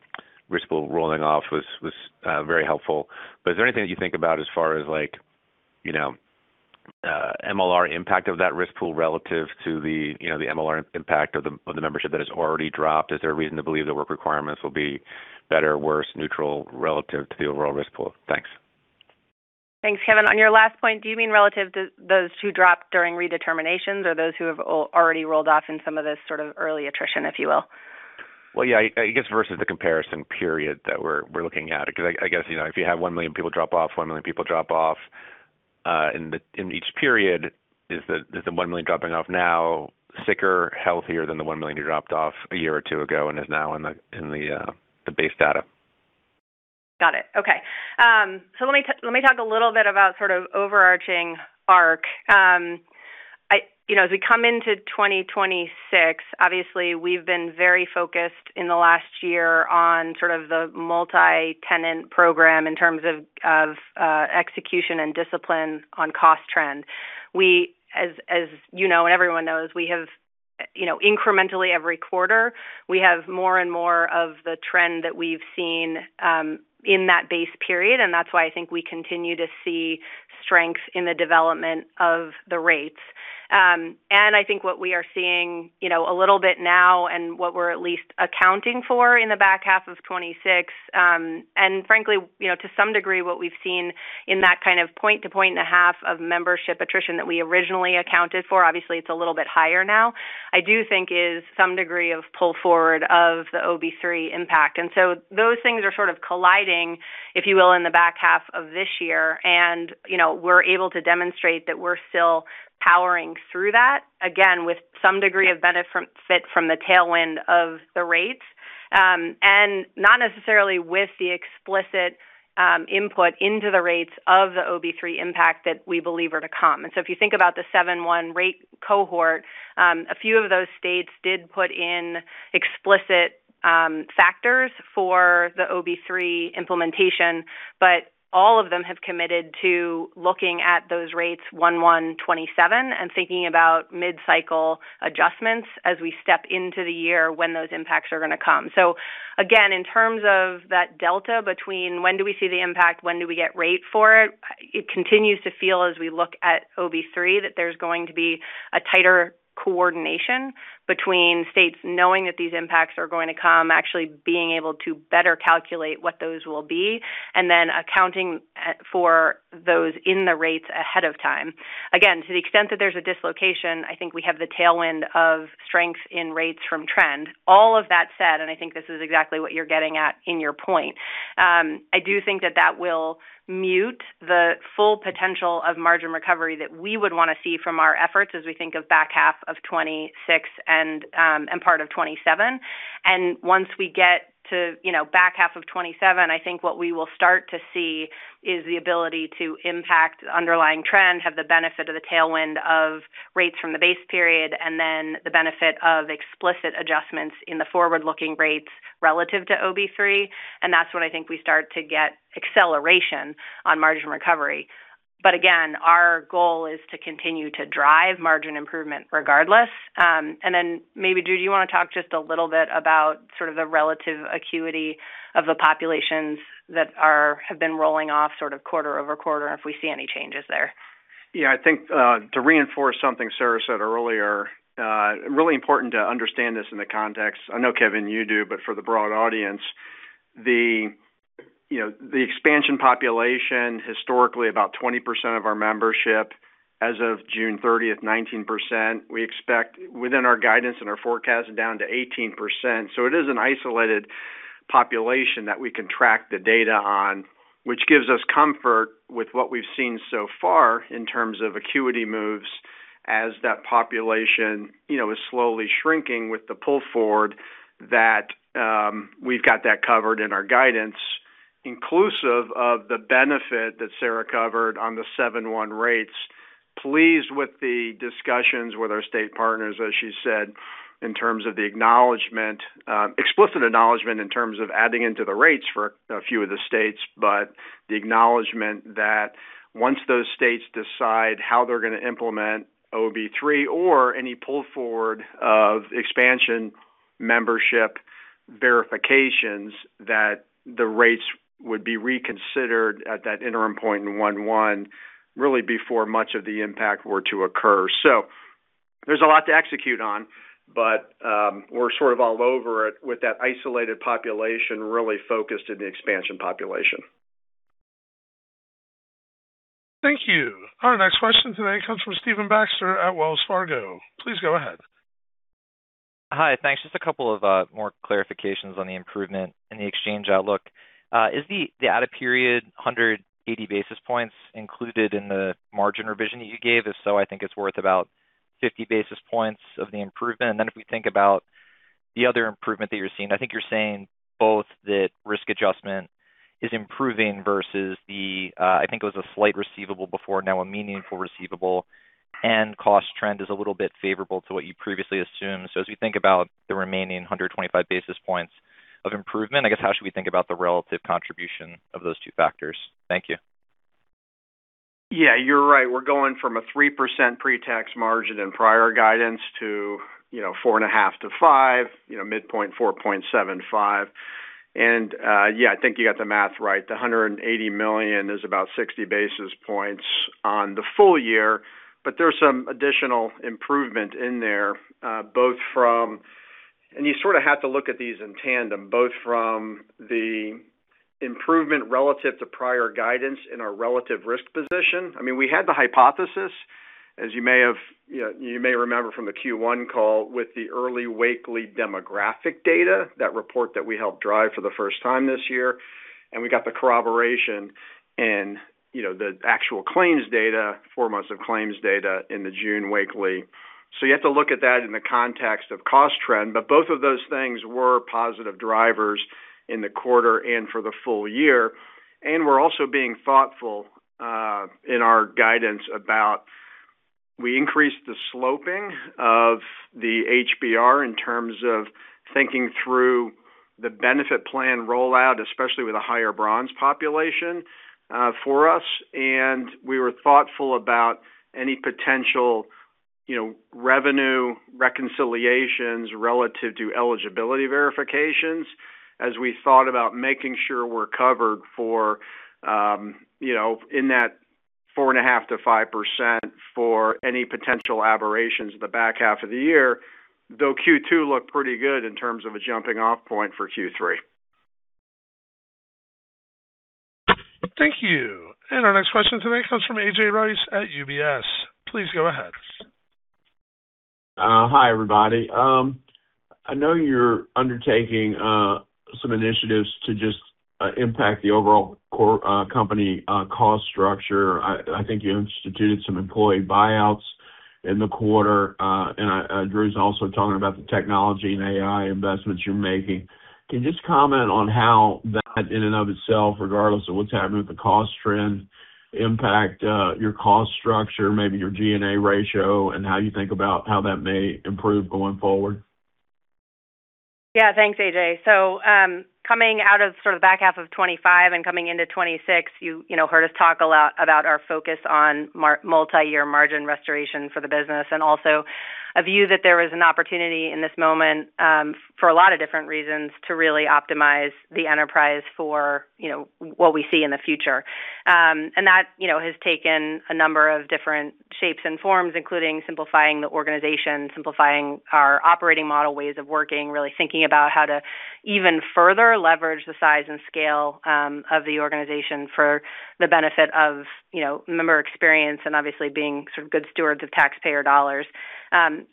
risk pool rolling off was very helpful. Is there anything that you think about as far as MLR impact of that risk pool relative to the MLR impact of the membership that has already dropped? Is there a reason to believe the work requirements will be better or worse, neutral relative to the overall risk pool? Thanks. Thanks, Kevin. On your last point, do you mean relative to those who dropped during redeterminations or those who have already rolled off in some of this early attrition, if you will? Well, yeah, I guess versus the comparison period that we're looking at. I guess, if you have 1 million people drop off, in each period, is the 1 million dropping off now sicker, healthier than the 1 million who dropped off a year or two ago and is now in the base data? Got it. Okay. Let me talk a little bit about overarching arc. As we come into 2026, obviously, we've been very focused in the last year on the multi-tenant program in terms of execution and discipline on cost trends. As you know, and everyone knows, incrementally every quarter, we have more and more of the trend that we've seen in that base period, and that's why I think we continue to see strength in the development of the rates. I think what we are seeing a little bit now and what we're at least accounting for in the back half of 2026, and frankly, to some degree, what we've seen in that kind of point to point and a half of membership attrition that we originally accounted for, obviously it's a little bit higher now, I do think is some degree of pull forward of the OB3 impact. Those things are sort of colliding, if you will, in the back half of this year. We're able to demonstrate that we're still powering through that, again, with some degree of benefit from the tailwind of the rates, and not necessarily with the explicit input into the rates of the OB3 impact that we believe are to come. If you think about the 71 rate cohort, a few of those states did put in explicit factors for the OB3 implementation, but all of them have committed to looking at those rates 1/1/2027 and thinking about mid-cycle adjustments as we step into the year when those impacts are going to come. Again, in terms of that delta between when do we see the impact, when do we get rate for it continues to feel as we look at OB3, that there's going to be a tighter coordination between states knowing that these impacts are going to come, actually being able to better calculate what those will be, and then accounting for those in the rates ahead of time. Again, to the extent that there's a dislocation, I think we have the tailwind of strength in rates from trend. All of that said, I think this is exactly what you're getting at in your point, I do think that that will mute the full potential of margin recovery that we would want to see from our efforts as we think of back half of 2026 and part of 2027. Once we get to back half of 2027, I think what we will start to see is the ability to impact underlying trend, have the benefit of the tailwind of rates from the base period, and then the benefit of explicit adjustments in the forward-looking rates relative to OB3. That's when I think we start to get acceleration on margin recovery. Again, our goal is to continue to drive margin improvement regardless. Maybe, Drew, do you want to talk just a little bit about sort of the relative acuity of the populations that have been rolling off sort of quarter-over-quarter, and if we see any changes there? I think, to reinforce something Sarah said earlier, really important to understand this in the context. I know, Kevin, you do, but for the broad audience, the expansion population, historically about 20% of our membership as of June 30th, 19%, we expect within our guidance and our forecast down to 18%. It is an isolated population that we can track the data on, which gives us comfort with what we've seen so far in terms of acuity moves as that population is slowly shrinking with the pull forward, that we've got that covered in our guidance, inclusive of the benefit that Sarah covered on the 7/1 rates. Pleased with the discussions with our state partners, as she said, in terms of the explicit acknowledgement in terms of adding into the rates for a few of the states, the acknowledgement that once those states decide how they're going to implement OB3 or any pull forward of expansion membership verifications, that the rates would be reconsidered at that interim point in 1/1, really before much of the impact were to occur. There's a lot to execute on, we're sort of all over it with that isolated population really focused in the expansion population. Thank you. Our next question today comes from Stephen Baxter at Wells Fargo. Please go ahead. Hi. Thanks. Just a couple of more clarifications on the improvement in the exchange outlook. Is the out-of-period 180 basis points included in the margin revision that you gave us? I think it's worth about 50 basis points of the improvement. If we think about the other improvement that you're seeing, I think you're saying both that risk adjustment is improving versus the, I think it was a slight receivable before, now a meaningful receivable, and cost trend is a little bit favorable to what you previously assumed. As we think about the remaining 125 basis points of improvement, I guess how should we think about the relative contribution of those two factors? Thank you. Yeah, you're right. We're going from a 3% pretax margin in prior guidance to 4.5%-5%, midpoint 4.75%. Yeah, I think you got the math right. The $180 million is about 60 basis points on the full year, but there's some additional improvement in there, and you sort of have to look at these in tandem, both from the improvement relative to prior guidance in our relative risk position. I mean, we had the hypothesis, as you may remember from the Q1 call, with the early Wakely demographic data, that report that we helped drive for the first time this year, and we got the corroboration in the actual claims data, four months of claims data in the June Wakely. You have to look at that in the context of cost trend. Both of those things were positive drivers in the quarter and for the full year. We're also being thoughtful, in our guidance about we increased the sloping of the HBR in terms of thinking through the benefit plan rollout, especially with a higher bronze population, for us. We were thoughtful about any potential revenue reconciliations relative to eligibility verifications. As we thought about making sure we're covered in that 4.5%-5% for any potential aberrations in the back half of the year, though Q2 looked pretty good in terms of a jumping-off point for Q3. Thank you. Our next question today comes from A.J. Rice at UBS. Please go ahead. Hi, everybody. I know you're undertaking some initiatives to just impact the overall company cost structure. I think you instituted some employee buyouts in the quarter. Drew's also talking about the technology and AI investments you're making. Can you just comment on how that in and of itself, regardless of what's happening with the cost trend, impact your cost structure, maybe your G&A ratio, and how you think about how that may improve going forward? Yeah. Thanks, A.J. Coming out of sort of the back half of 2025 and coming into 2026, you heard us talk a lot about our focus on multi-year margin restoration for the business and also a view that there was an opportunity in this moment, for a lot of different reasons, to really optimize the enterprise for what we see in the future. That has taken a number of different shapes and forms, including simplifying the organization, simplifying our operating model, ways of working, really thinking about how to even further leverage the size and scale of the organization for the benefit of member experience and obviously being sort of good stewards of taxpayer dollars.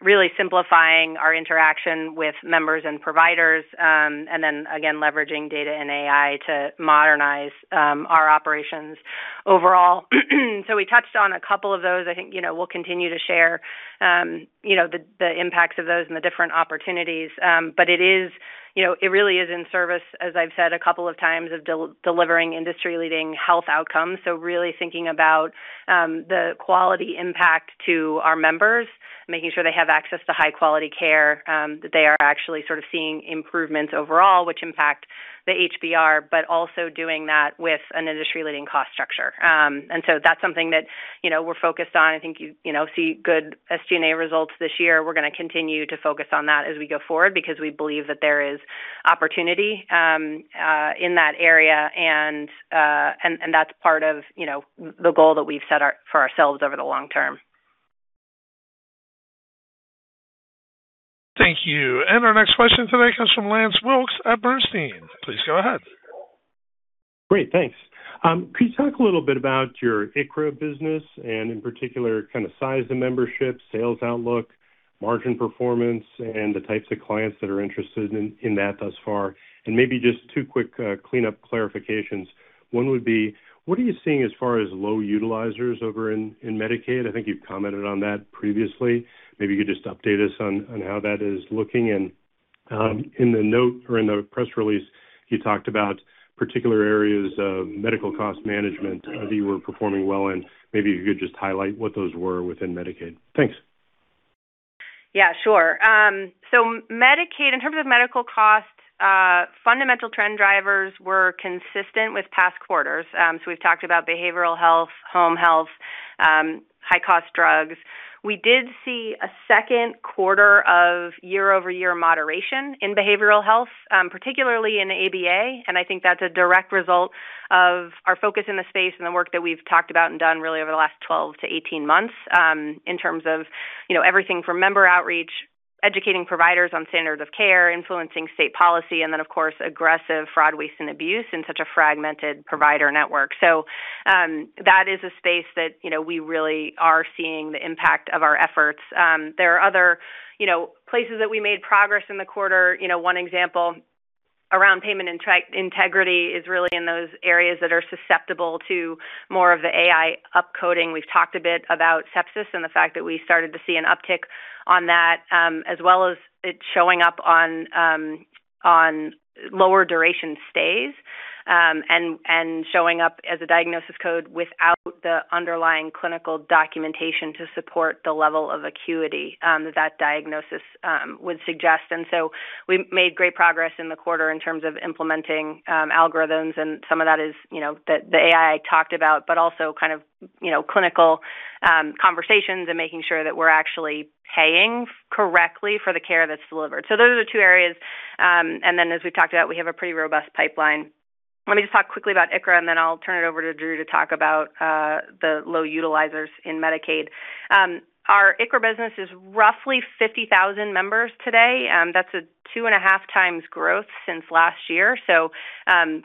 Really simplifying our interaction with members and providers, and then again, leveraging data and AI to modernize our operations overall. We touched on a couple of those. I think we'll continue to share the impacts of those and the different opportunities. It really is in service, as I've said a couple of times, of delivering industry-leading health outcomes. Really thinking about the quality impact to our members, making sure they have access to high-quality care, that they are actually sort of seeing improvements overall, which impact the HBR, but also doing that with an industry-leading cost structure. That's something that we're focused on. I think you see good SG&A results this year. We're going to continue to focus on that as we go forward because we believe that there is opportunity in that area, and that's part of the goal that we've set for ourselves over the long term. Thank you. Our next question today comes from Lance Wilkes at Bernstein. Please go ahead. Great. Thanks. Could you talk a little bit about your ICHRA business and in particular, kind of size of membership, sales outlook, margin performance, and the types of clients that are interested in that thus far? Maybe just two quick cleanup clarifications. One would be, what are you seeing as far as low utilizers over in Medicaid? I think you've commented on that previously. Maybe you could just update us on how that is looking. In the note or in the press release, you talked about particular areas of medical cost management that you were performing well in. Maybe you could just highlight what those were within Medicaid. Thanks. Yeah, sure. Medicaid, in terms of medical costs, fundamental trend drivers were consistent with past quarters. We've talked about behavioral health, home health, high cost drugs. We did see a second quarter of year-over-year moderation in behavioral health, particularly in ABA, and I think that's a direct result of our focus in the space and the work that we've talked about and done really over the last 12 to 18 months in terms of everything from member outreach, educating providers on standards of care, influencing state policy, and then, of course, aggressive fraud, waste, and abuse in such a fragmented provider network. That is a space that we really are seeing the impact of our efforts. There are other places that we made progress in the quarter. One example around payment integrity is really in those areas that are susceptible to more of the AI upcoding. We've talked a bit about sepsis and the fact that we started to see an uptick on that, as well as it showing up on lower duration stays, and showing up as a diagnosis code without the underlying clinical documentation to support the level of acuity that diagnosis would suggest. We made great progress in the quarter in terms of implementing algorithms, and some of that is the AI I talked about, but also kind of clinical conversations and making sure that we're actually paying correctly for the care that's delivered. Those are the two areas, and then as we've talked about, we have a pretty robust pipeline. Let me just talk quickly about ICHRA, and then I'll turn it over to Drew to talk about the low utilizers in Medicaid. Our ICHRA business is roughly 50,000 members today. That's a two and a half times growth since last year.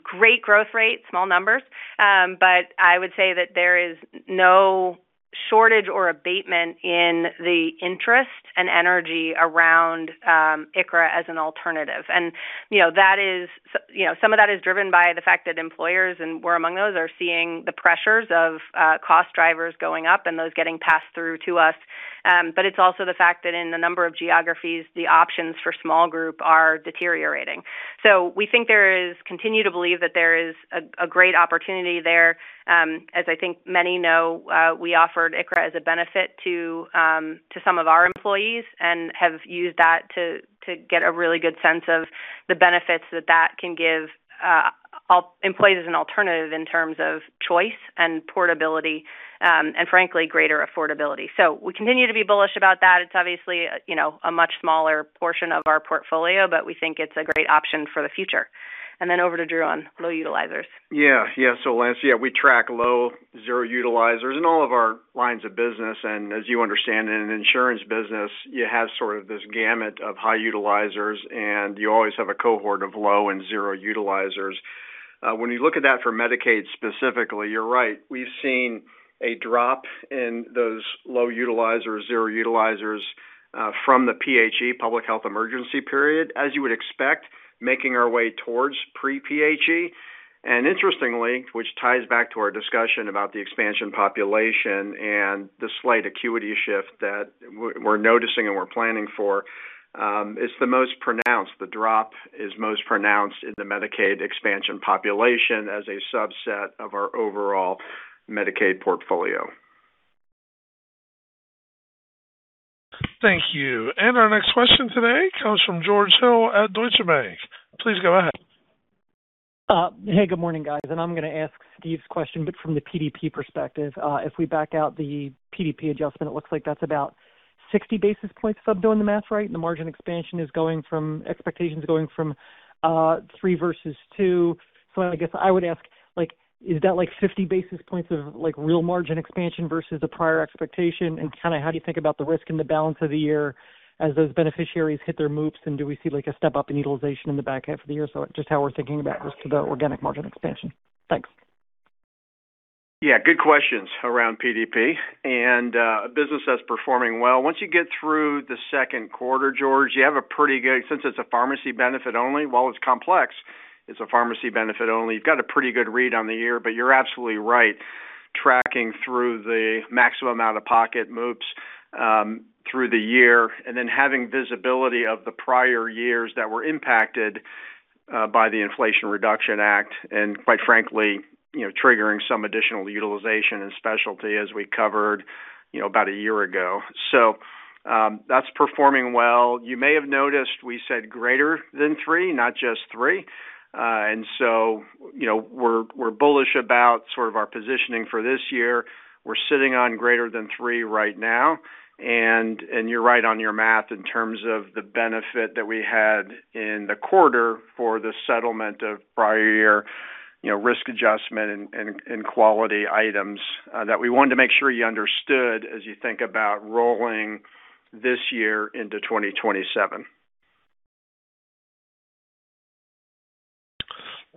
Great growth rate, small numbers. I would say that there is no shortage or abatement in the interest and energy around ICHRA as an alternative. Some of that is driven by the fact that employers, and we're among those, are seeing the pressures of cost drivers going up and those getting passed through to us. It's also the fact that in a number of geographies, the options for small group are deteriorating. We think there is, continue to believe that there is a great opportunity there. As I think many know, we offered ICHRA as a benefit to some of our employees and have used that to get a really good sense of the benefits that that can give employees as an alternative in terms of choice and portability, and frankly, greater affordability. We continue to be bullish about that. It's obviously a much smaller portion of our portfolio, but we think it's a great option for the future. Over to Drew on low utilizers. Yeah. Lance, we track low, zero utilizers in all of our lines of business. As you understand, in an insurance business, you have sort of this gamut of high utilizers, and you always have a cohort of low and zero utilizers. When you look at that for Medicaid specifically, you're right. We've seen a drop in those low utilizers, zero utilizers, from the PHE, public health emergency period, as you would expect, making our way towards pre-PHE. Interestingly, which ties back to our discussion about the expansion population and the slight acuity shift that we're noticing and we're planning for, it's the most pronounced. The drop is most pronounced in the Medicaid expansion population as a subset of our overall Medicaid portfolio. Thank you. Our next question today comes from George Hill at Deutsche Bank. Please go ahead. Hey, good morning, guys. I'm going to ask Steve's question, but from the PDP perspective. If we back out the PDP adjustment, it looks like that's about 60 basis points, if I'm doing the math right. The margin expansion is going from expectations going from three versus two. I guess I would ask, is that 50 basis points of real margin expansion versus the prior expectation? How do you think about the risk in the balance of the year as those beneficiaries hit their MOOPs, and do we see a step up in utilization in the back half of the year? Just how we're thinking about risk to the organic margin expansion. Thanks. Yeah, good questions around PDP. A business that's performing well. Once you get through the second quarter, George, you have a pretty good, since it's a pharmacy benefit only, while it's complex, it's a pharmacy benefit only. You've got a pretty good read on the year, you're absolutely right. Tracking through the Maximum Out-of-Pocket MOOPs through the year, having visibility of the prior years that were impacted by the Inflation Reduction Act, quite frankly, triggering some additional utilization and specialty as we covered about a year ago. That's performing well. You may have noticed we said greater than three, not just three. We're bullish about sort of our positioning for this year. We're sitting on greater than three right now. You're right on your math in terms of the benefit that we had in the quarter for the settlement of prior year risk adjustment and quality items that we wanted to make sure you understood as you think about rolling this year into 2027.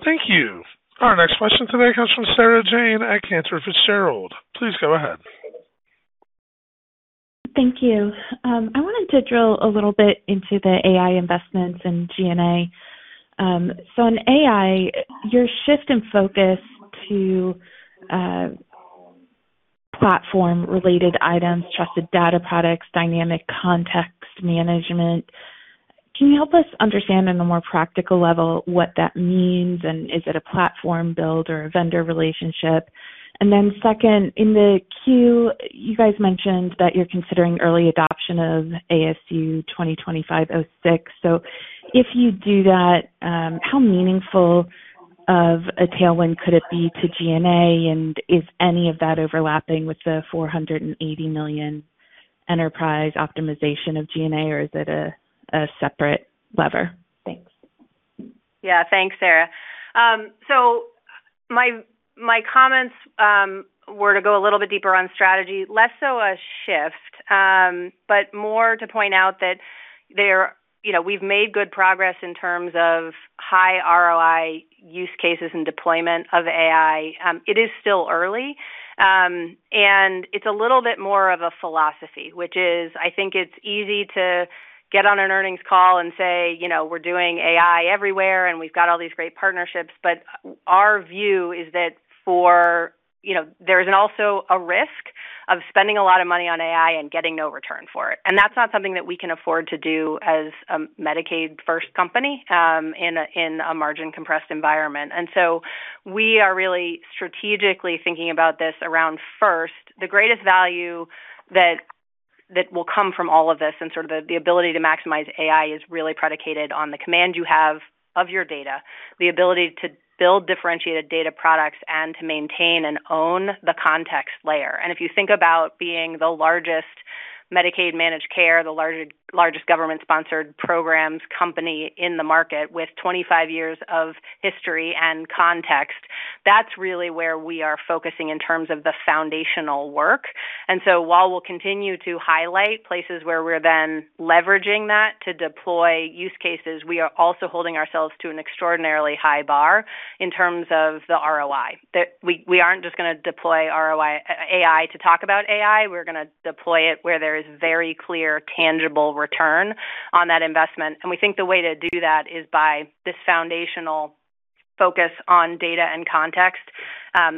Thank you. Our next question today comes from Sarah James at Cantor Fitzgerald. Please go ahead. Thank you. I wanted to drill a little bit into the AI investments in G&A. On AI, your shift in focus to platform related items, trusted data products, dynamic context management. Can you help us understand on a more practical level what that means, is it a platform build or a vendor relationship? Second, in the 10-Q, you guys mentioned that you're considering early adoption of ASU 2025-06. If you do that, how meaningful of a tailwind could it be to G&A, is any of that overlapping with the $480 million enterprise optimization of G&A, or is it a separate lever? Thanks. Yeah. Thanks, Sarah. My comments were to go a little bit deeper on strategy, less so a shift, but more to point out that we've made good progress in terms of high ROI use cases and deployment of AI. It is still early. It's a little bit more of a philosophy, which is, I think it's easy to get on an earnings call and say, "We're doing AI everywhere, and we've got all these great partnerships." Our view is that there is also a risk of spending a lot of money on AI and getting no return for it. That's not something that we can afford to do as a Medicaid first company, in a margin compressed environment. We are really strategically thinking about this around first, the greatest value that will come from all of this and sort of the ability to maximize AI is really predicated on the command you have of your data, the ability to build differentiated data products and to maintain and own the context layer. If you think about being the largest Medicaid managed care, the largest government sponsored programs company in the market with 25 years of history and context, that's really where we are focusing in terms of the foundational work. While we'll continue to highlight places where we're then leveraging that to deploy use cases, we are also holding ourselves to an extraordinarily high bar in terms of the ROI. That we aren't just going to deploy AI to talk about AI, we're going to deploy it where there is very clear, tangible return on that investment. We think the way to do that is by this foundational focus on data and context,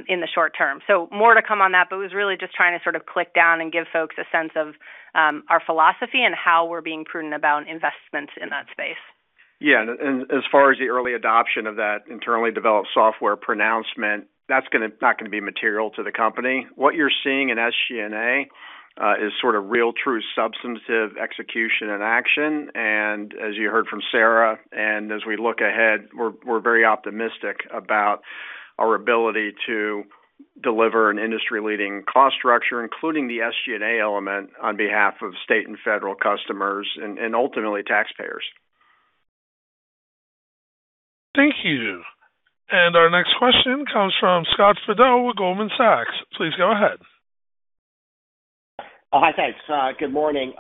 in the short term. More to come on that, it was really just trying to sort of click down and give folks a sense of our philosophy and how we're being prudent about investments in that space. Yeah, as far as the early adoption of that internally developed software pronouncement, that's not going to be material to the company. What you're seeing in SG&A is sort of real true substantive execution and action. As you heard from Sarah, as we look ahead, we're very optimistic about our ability to deliver an industry-leading cost structure, including the SG&A element, on behalf of state and federal customers and ultimately taxpayers. Thank you. Our next question comes from Scott Fidel with Goldman Sachs. Please go ahead. Hi, thanks. Good morning.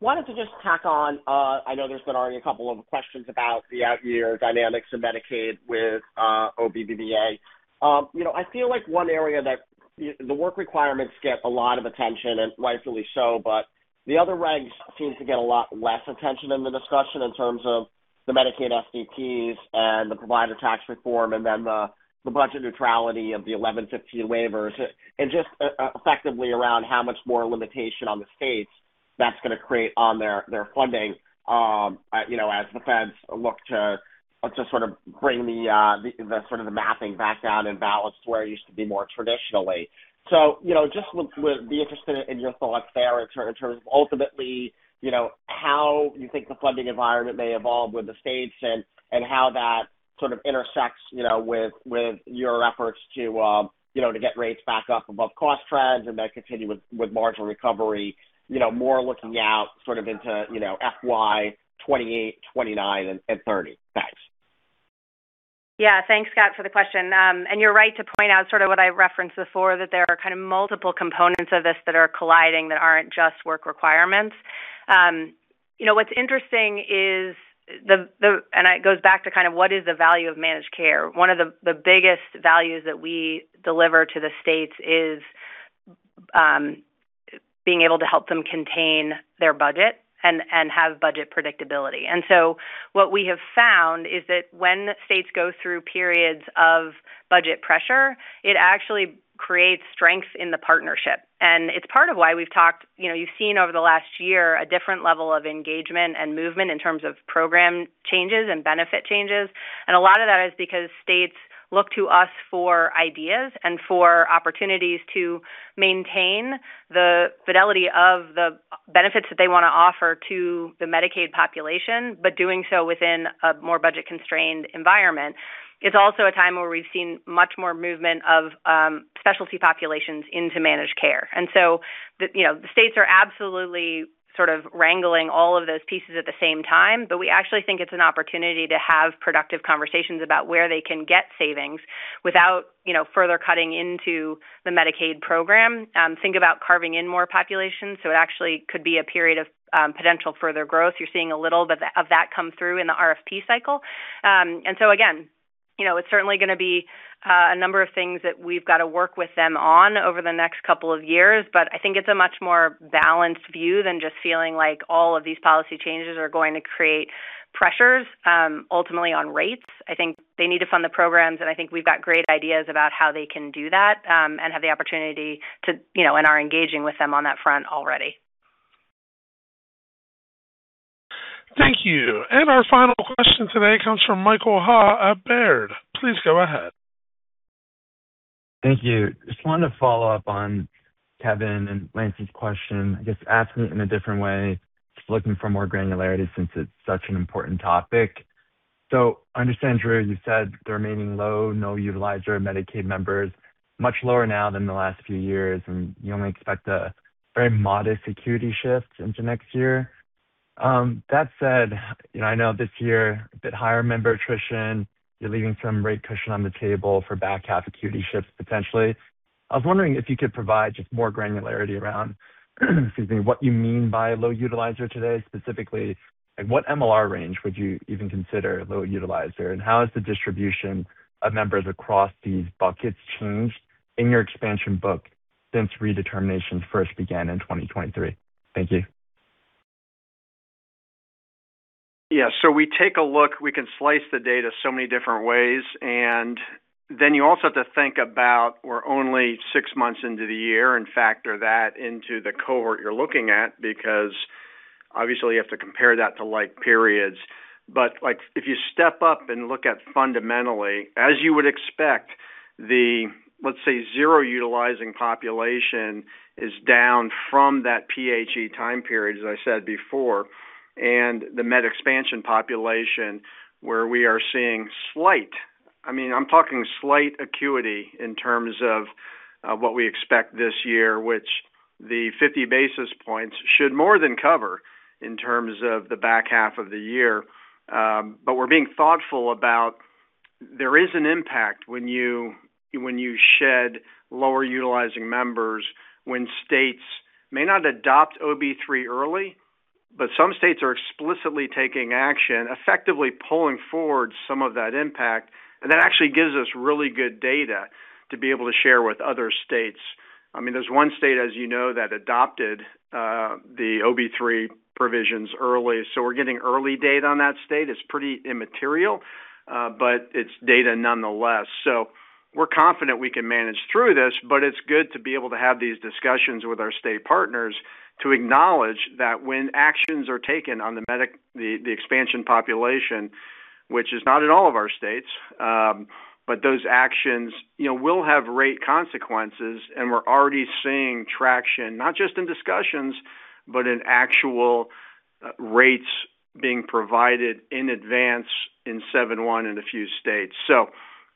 Wanted to just tack on, I know there's been already a couple of questions about the outyear dynamics of Medicaid with OBBBA. I feel like one area that the work requirements get a lot of attention, and rightfully so, but the other regs seem to get a lot less attention in the discussion in terms of the Medicaid SDPs and the provider tax reform and then the budget neutrality of the 1115 Waivers. Just effectively around how much more limitation on the states that's going to create on their funding as the feds look to sort of bring the matching back down and balance to where it used to be more traditionally. Just would be interested in your thoughts there in terms of ultimately how you think the funding environment may evolve with the states and how that sort of intersects with your efforts to get rates back up above cost trends and then continue with margin recovery, more looking out sort of into FY 2028, 2029, and 2030. Thanks. Yeah. Thanks, Scott, for the question. You're right to point out sort of what I referenced before, that there are kind of multiple components of this that are colliding that aren't just work requirements. What's interesting is, and it goes back to kind of what is the value of managed care, one of the biggest values that we deliver to the states is being able to help them contain their budget and have budget predictability. What we have found is that when states go through periods of budget pressure, it actually creates strength in the partnership. It's part of why we've talked, you've seen over the last year, a different level of engagement and movement in terms of program changes and benefit changes. A lot of that is because states look to us for ideas and for opportunities to maintain the fidelity of the benefits that they want to offer to the Medicaid population, but doing so within a more budget-constrained environment. It's also a time where we've seen much more movement of specialty populations into managed care. The states are absolutely sort of wrangling all of those pieces at the same time, but we actually think it's an opportunity to have productive conversations about where they can get savings without further cutting into the Medicaid program. Think about carving in more populations. It actually could be a period of potential further growth. You're seeing a little bit of that come through in the RFP cycle. Again, it's certainly going to be a number of things that we've got to work with them on over the next couple of years, but I think it's a much more balanced view than just feeling like all of these policy changes are going to create pressures, ultimately, on rates. I think they need to fund the programs, and I think we've got great ideas about how they can do that, and have the opportunity to, and are engaging with them on that front already. Thank you. Our final question today comes from Michael Ha at Baird. Please go ahead. Thank you. Just wanted to follow up on Kevin and Lance's question, I guess asking it in a different way, just looking for more granularity since it's such an important topic. I understand, Drew, you said the remaining low no utilizer Medicaid members, much lower now than the last few years, and you only expect a very modest acuity shift into next year. That said, I know this year, a bit higher member attrition, you're leaving some rate cushion on the table for back-half acuity shifts, potentially. I was wondering if you could provide just more granularity around, excuse me, what you mean by low utilizer today, specifically, like what MLR range would you even consider low utilizer, and how has the distribution of members across these buckets changed in your expansion book since redeterminations first began in 2023? Thank you. Yeah. We take a look, we can slice the data so many different ways, and then you also have to think about we're only six months into the year and factor that into the cohort you're looking at because obviously you have to compare that to like periods. If you step up and look at fundamentally, as you would expect, the let's say zero utilizing population is down from that PHE time period, as I said before. The med expansion population, where we are seeing slight, I mean, I'm talking slight acuity in terms of what we expect this year, which the 50 basis points should more than cover in terms of the back half of the year. We're being thoughtful about there is an impact when you shed lower utilizing members, when states may not adopt OB3 early, but some states are explicitly taking action, effectively pulling forward some of that impact. That actually gives us really good data to be able to share with other states. There's one state, as you know, that adopted the OB3 provisions early, so we're getting early data on that state. It's pretty immaterial, but it's data nonetheless. We're confident we can manage through this, but it's good to be able to have these discussions with our state partners to acknowledge that when actions are taken on the expansion population, which is not in all of our states, but those actions will have rate consequences, and we're already seeing traction, not just in discussions, but in actual rates being provided in advance in seven one in a few states.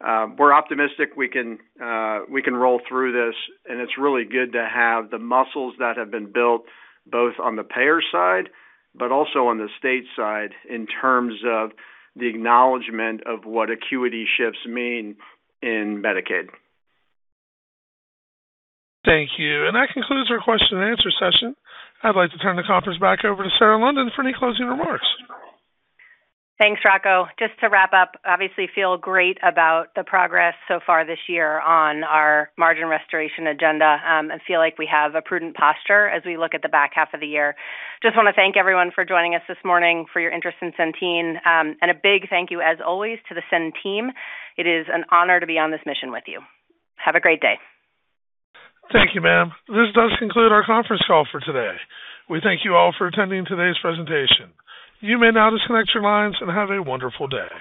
We're optimistic we can roll through this, and it's really good to have the muscles that have been built, both on the payer side, but also on the state side in terms of the acknowledgment of what acuity shifts mean in Medicaid. Thank you. That concludes our question and answer session. I'd like to turn the conference back over to Sarah London for any closing remarks. Thanks, Rocco. Just to wrap up, obviously feel great about the progress so far this year on our margin restoration agenda, and feel like we have a prudent posture as we look at the back half of the year. Just want to thank everyone for joining us this morning, for your interest in Centene. A big thank you, as always, to the Centene team. It is an honor to be on this mission with you. Have a great day. Thank you, ma'am. This does conclude our conference call for today. We thank you all for attending today's presentation. You may now disconnect your lines, and have a wonderful day.